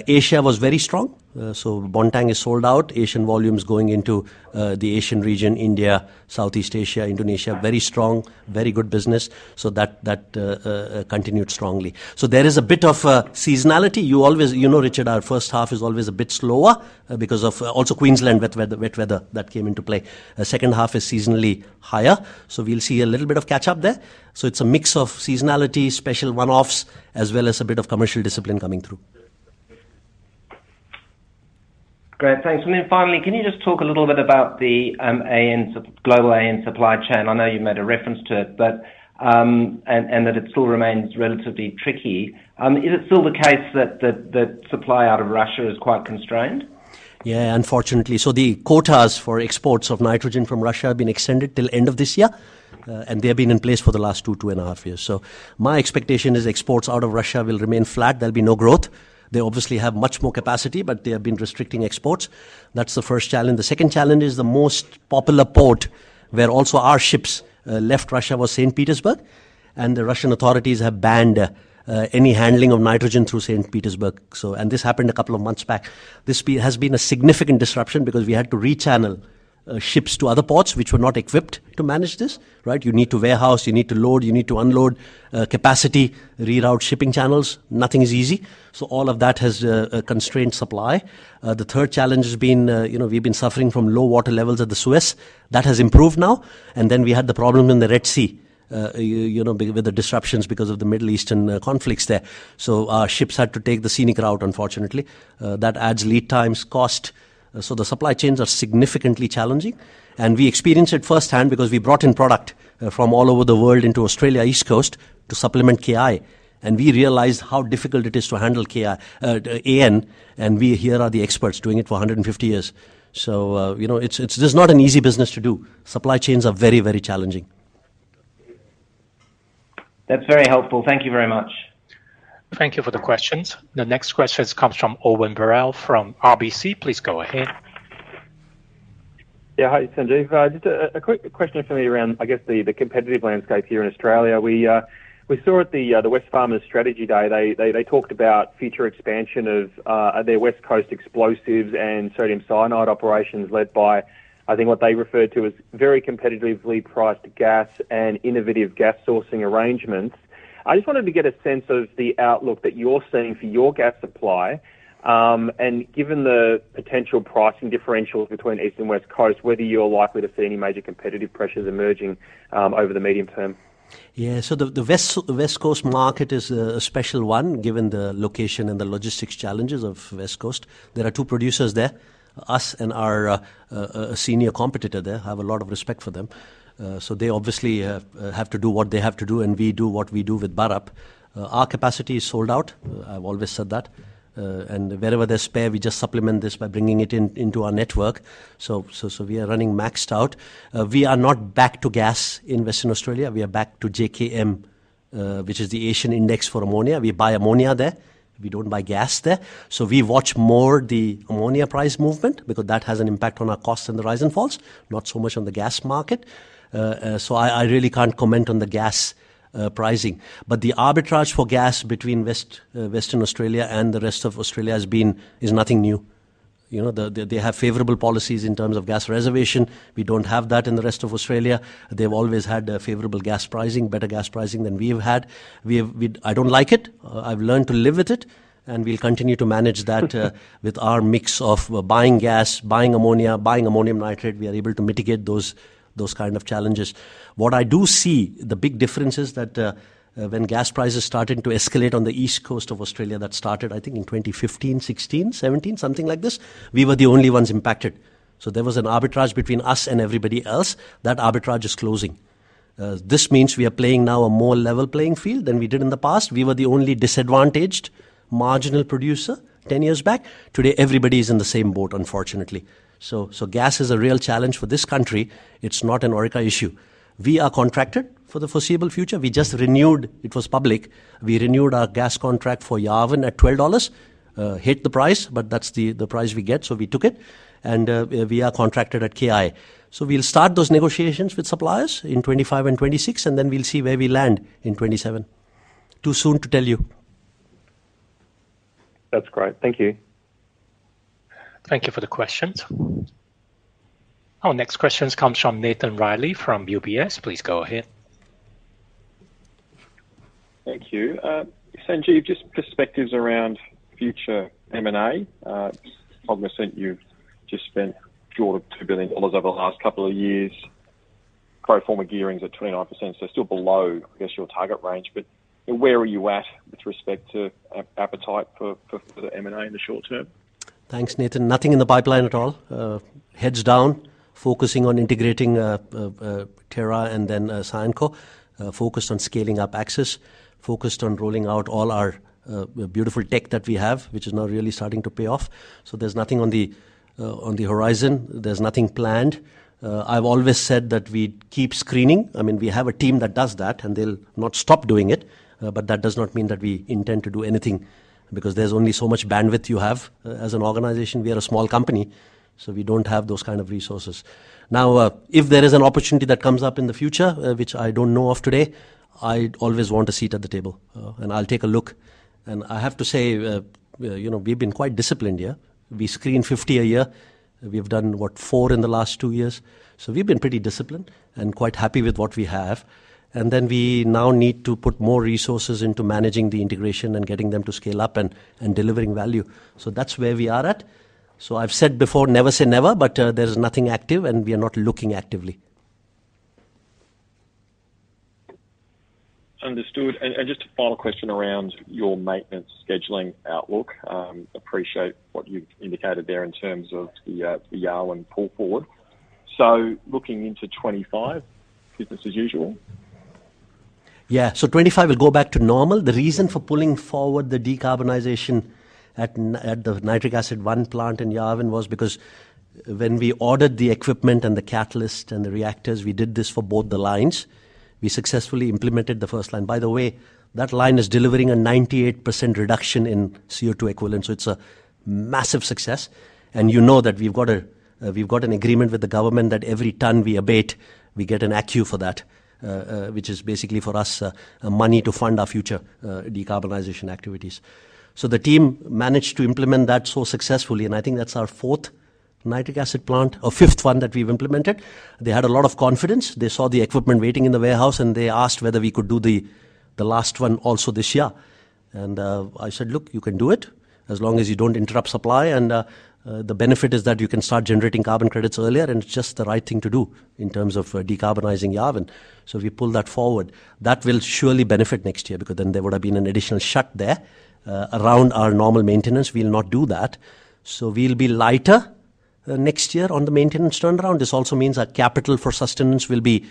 Asia was very strong. So Bontang is sold out. Asian volume is going into the Asian region, India, Southeast Asia, Indonesia. Very strong, very good business. So that continued strongly. So there is a bit of seasonality. You know, Richard, our first half is always a bit slower because of also Queensland wet weather that came into play. Second half is seasonally higher. We'll see a little bit of catch-up there. It's a mix of seasonality, special one-offs, as well as a bit of commercial discipline coming through. Great. Thanks. And then finally, can you just talk a little bit about the global AN supply chain? I know you made a reference to it and that it still remains relatively tricky. Is it still the case that supply out of Russia is quite constrained? Yeah, unfortunately. So the quotas for exports of nitrogen from Russia have been extended till the end of this year, and they have been in place for the last 2, 2.5 years. So my expectation is exports out of Russia will remain flat. There'll be no growth. They obviously have much more capacity, but they have been restricting exports. That's the first challenge. The second challenge is the most popular port where also our ships left Russia was Saint Petersburg. And the Russian authorities have banned any handling of nitrogen through Saint Petersburg. And this happened a couple of months back. This has been a significant disruption because we had to rechannel ships to other ports, which were not equipped to manage this, right? You need to warehouse. You need to load. You need to unload capacity, reroute shipping channels. Nothing is easy. So all of that has constrained supply. The third challenge has been we've been suffering from low water levels at the Suez. That has improved now. And then we had the problem in the Red Sea with the disruptions because of the Middle Eastern conflicts there. So our ships had to take the scenic route, unfortunately. That adds lead times, cost. So the supply chains are significantly challenging. And we experienced it firsthand because we brought in product from all over the world into Australia East Coast to supplement KI. And we realized how difficult it is to handle AN, and here are the experts doing it for 150 years. So this is not an easy business to do. Supply chains are very, very challenging. That's very helpful. Thank you very much. Thank you for the questions. The next question comes from Owen Birrell from RBC. Please go ahead. Yeah. Hi, Sanjeev. Just a quick question for me around, I guess, the competitive landscape here in Australia. We saw at the Wesfarmers Strategy Day, they talked about future expansion of their West Coast explosives and sodium cyanide operations led by, I think, what they referred to as very competitively priced gas and innovative gas sourcing arrangements. I just wanted to get a sense of the outlook that you're seeing for your gas supply and given the potential pricing differentials between East and West Coast, whether you're likely to see any major competitive pressures emerging over the medium term. Yeah. So the West Coast market is a special one given the location and the logistics challenges of West Coast. There are two producers there, us and our senior competitor there. I have a lot of respect for them. So they obviously have to do what they have to do, and we do what we do with Burrup. Our capacity is sold out. I've always said that. And wherever there's spare, we just supplement this by bringing it into our network. So we are running maxed out. We are not back to gas in Western Australia. We are back to JKM, which is the Asian Index for Ammonia. We buy ammonia there. We don't buy gas there. So we watch more the ammonia price movement because that has an impact on our costs and the rise and falls, not so much on the gas market. I really can't comment on the gas pricing. The arbitrage for gas between Western Australia and the rest of Australia is nothing new. They have favorable policies in terms of gas reservation. We don't have that in the rest of Australia. They've always had favorable gas pricing, better gas pricing than we have had. I don't like it. I've learned to live with it, and we'll continue to manage that with our mix of buying gas, buying ammonia, buying ammonium nitrate. We are able to mitigate those kind of challenges. What I do see, the big difference is that when gas prices started to escalate on the East Coast of Australia, that started, I think, in 2015, 2016, 2017, something like this, we were the only ones impacted. There was an arbitrage between us and everybody else. That arbitrage is closing. This means we are playing now a more level playing field than we did in the past. We were the only disadvantaged, marginal producer 10 years back. Today, everybody is in the same boat, unfortunately. So gas is a real challenge for this country. It's not an Orica issue. We are contracted for the foreseeable future. We just renewed it was public. We renewed our gas contract for Yarwun at 12 dollars, hit the price, but that's the price we get. So we took it. And we are contracted at KI. So we'll start those negotiations with suppliers in 2025 and 2026, and then we'll see where we land in 2027. Too soon to tell you. That's great. Thank you. Thank you for the questions. Our next questions come from Nathan Riley from UBS. Please go ahead. Thank you. Sanjeev, just perspectives around future M&A. Cognizant, you've just spent short of 2 billion dollars over the last couple of years. Pro forma gearing at 29%. So still below, I guess, your target range. But where are you at with respect to appetite for the M&A in the short term? Thanks, Nathan. Nothing in the pipeline at all. Heads down, focusing on integrating Terra and then Cyanco, focused on scaling up Axis, focused on rolling out all our beautiful tech that we have, which is now really starting to pay off. So there's nothing on the horizon. There's nothing planned. I've always said that we keep screening. I mean, we have a team that does that, and they'll not stop doing it. But that does not mean that we intend to do anything because there's only so much bandwidth you have as an organization. We are a small company, so we don't have those kind of resources. Now, if there is an opportunity that comes up in the future, which I don't know of today, I always want a seat at the table. And I'll take a look. And I have to say, we've been quite disciplined here. We screen 50 a year. We've done, what, 4 in the last 2 years. We've been pretty disciplined and quite happy with what we have. Then we now need to put more resources into managing the integration and getting them to scale up and delivering value. That's where we are at. I've said before, never say never, but there's nothing active, and we are not looking actively. Understood. Just a follow-up question around your maintenance scheduling outlook. Appreciate what you've indicated there in terms of the Yarwun pull forward. Looking into 2025, business as usual? Yeah. So 2025 will go back to normal. The reason for pulling forward the decarbonization at the nitric acid plant in Yarwun was because when we ordered the equipment and the catalyst and the reactors, we did this for both the lines. We successfully implemented the first line. By the way, that line is delivering a 98% reduction in CO2 equivalent. So it's a massive success. And you know that we've got an agreement with the government that every ton we abate, we get an ACCU for that, which is basically for us money to fund our future decarbonization activities. So the team managed to implement that so successfully. And I think that's our fourth nitric acid plant, or fifth one that we've implemented. They had a lot of confidence. They saw the equipment waiting in the warehouse, and they asked whether we could do the last one also this year. And I said, "Look, you can do it as long as you don't interrupt supply. And the benefit is that you can start generating carbon credits earlier, and it's just the right thing to do in terms of decarbonizing Yarwun." So we pulled that forward. That will surely benefit next year because then there would have been an additional shut there around our normal maintenance. We'll not do that. So we'll be lighter next year on the maintenance turnaround. This also means our capital for sustenance will be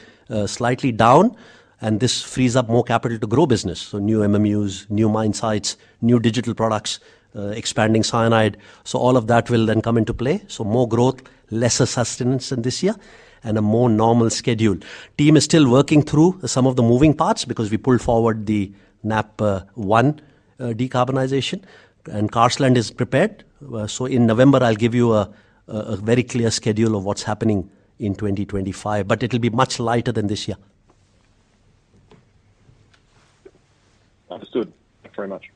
slightly down, and this frees up more capital to grow business. So new MMUs, new mine sites, new digital products, expanding cyanide. So all of that will then come into play. So more growth, lesser sustenance in this year, and a more normal schedule. Team is still working through some of the moving parts because we pulled forward the NAP1 decarbonization, and Carseland is prepared. So in November, I'll give you a very clear schedule of what's happening in 2025, but it'll be much lighter than this year. Understood. Thank you very much.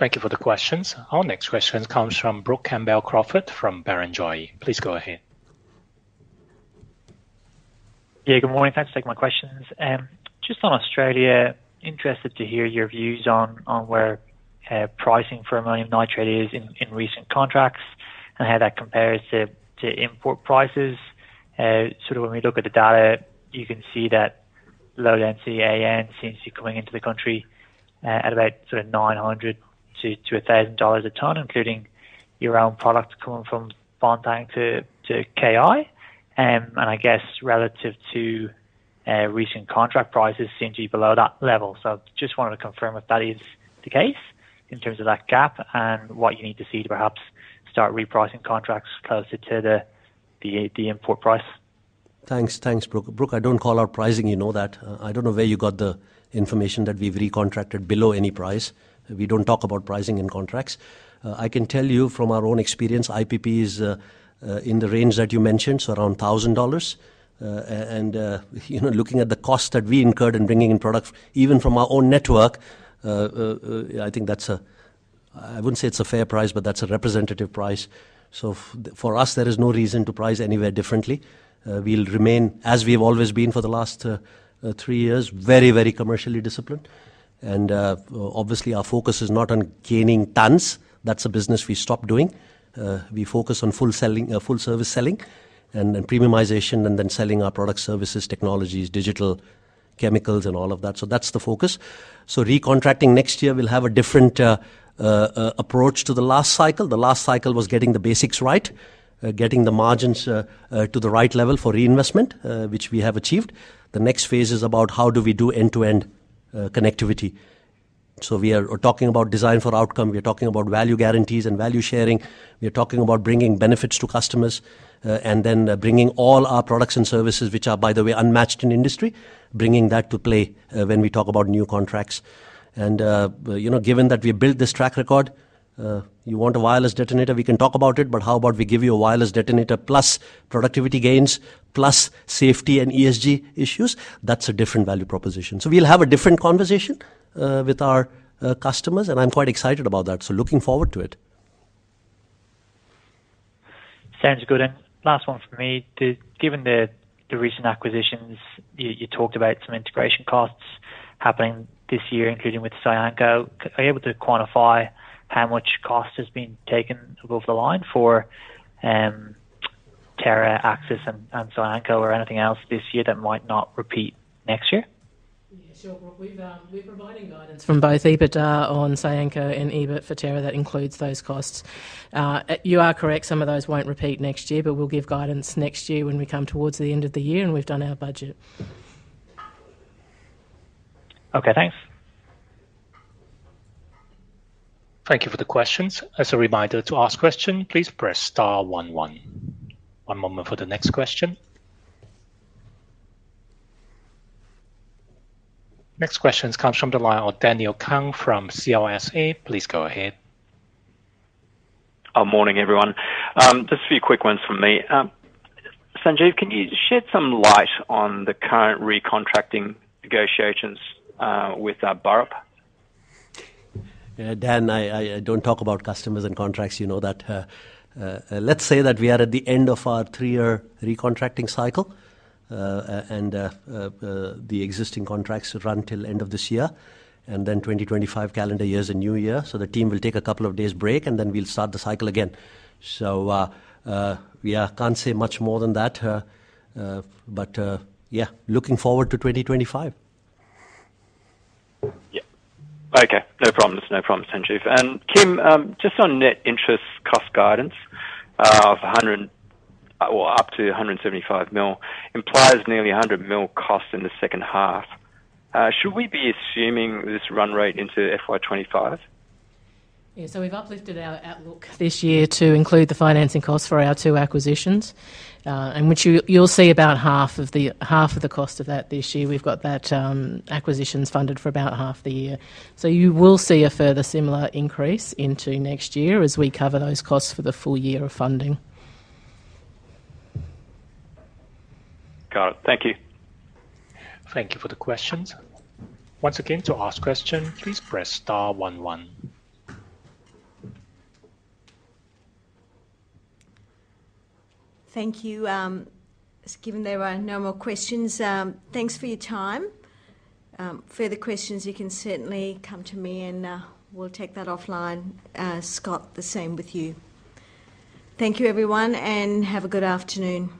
Thank you for the questions. Our next question comes from Brook Campbell-Crawford from Barrenjoey. Please go ahead. Yeah. Good morning. Thanks for taking my questions. Just on Australia, interested to hear your views on where pricing for ammonium nitrate is in recent contracts and how that compares to import prices. Sort of when we look at the data, you can see that low-density AN seems to be coming into the country at about sort of 900-1,000 dollars a tonne, including your own product coming from Bontang to KI. And I guess relative to recent contract prices seem to be below that level. So just wanted to confirm if that is the case in terms of that gap and what you need to see to perhaps start repricing contracts closer to the import price. Thanks, Brook. Brook, I don't call out pricing. You know that. I don't know where you got the information that we've recontracted below any price. We don't talk about pricing in contracts. I can tell you from our own experience, IPP is in the range that you mentioned, so around $1,000. And looking at the cost that we incurred in bringing in product, even from our own network, I think that's a—I wouldn't say it's a fair price, but that's a representative price. So for us, there is no reason to price anywhere differently. We'll remain, as we have always been for the last three years, very, very commercially disciplined. And obviously, our focus is not on gaining tons. That's a business we stopped doing. We focus on full-service selling and premiumization and then selling our products, services, technologies, digital chemicals, and all of that. So that's the focus. So recontracting next year, we'll have a different approach to the last cycle. The last cycle was getting the basics right, getting the margins to the right level for reinvestment, which we have achieved. The next phase is about how do we do end-to-end connectivity. So we are talking about design for outcome. We are talking about value guarantees and value sharing. We are talking about bringing benefits to customers and then bringing all our products and services, which are, by the way, unmatched in industry, bringing that to play when we talk about new contracts. And given that we have built this track record, you want a wireless detonator, we can talk about it. But how about we give you a wireless detonator plus productivity gains plus safety and ESG issues? That's a different value proposition. So we'll have a different conversation with our customers, and I'm quite excited about that. So looking forward to it. Sanjeev, good. And last one from me. Given the recent acquisitions, you talked about some integration costs happening this year, including with Cyanco. Are you able to quantify how much cost has been taken above the line for Terra, Axis, and Cyanco, or anything else this year that might not repeat next year? Yeah. Sure, Brook. We're providing guidance from both EBITDA on Cyanco and EBIT for Terra that includes those costs. You are correct. Some of those won't repeat next year, but we'll give guidance next year when we come towards the end of the year, and we've done our budget. Okay. Thanks. Thank you for the questions. As a reminder, to ask questions, please press star 11. One moment for the next question. Next question comes from the line of Daniel Kang from CLSA. Please go ahead. Morning, everyone. Just a few quick ones from me. Sanjeev, can you shed some light on the current recontracting negotiations with Burrup? Dan, I don't talk about customers and contracts. You know that. Let's say that we are at the end of our three-year recontracting cycle and the existing contracts run till end of this year and then 2025 calendar year's a new year. So the team will take a couple of days break, and then we'll start the cycle again. So yeah, can't say much more than that. But yeah, looking forward to 2025. Yeah. Okay. No problems. No problems, Sanjeev. And Kim, just on net interest cost guidance of 100 million, well, up to 175 million, implies nearly 100 million cost in the second half. Should we be assuming this run rate into FY25? Yeah. So we've uplifted our outlook this year to include the financing costs for our two acquisitions, and you'll see about half of the cost of that this year. We've got that acquisitions funded for about half the year. So you will see a further similar increase into next year as we cover those costs for the full year of funding. Got it. Thank you. Thank you for the questions. Once again, to ask questions, please press star 11. Thank you. Given there are no more questions, thanks for your time. Further questions, you can certainly come to me, and we'll take that offline. Scott, the same with you. Thank you, everyone, and have a good afternoon.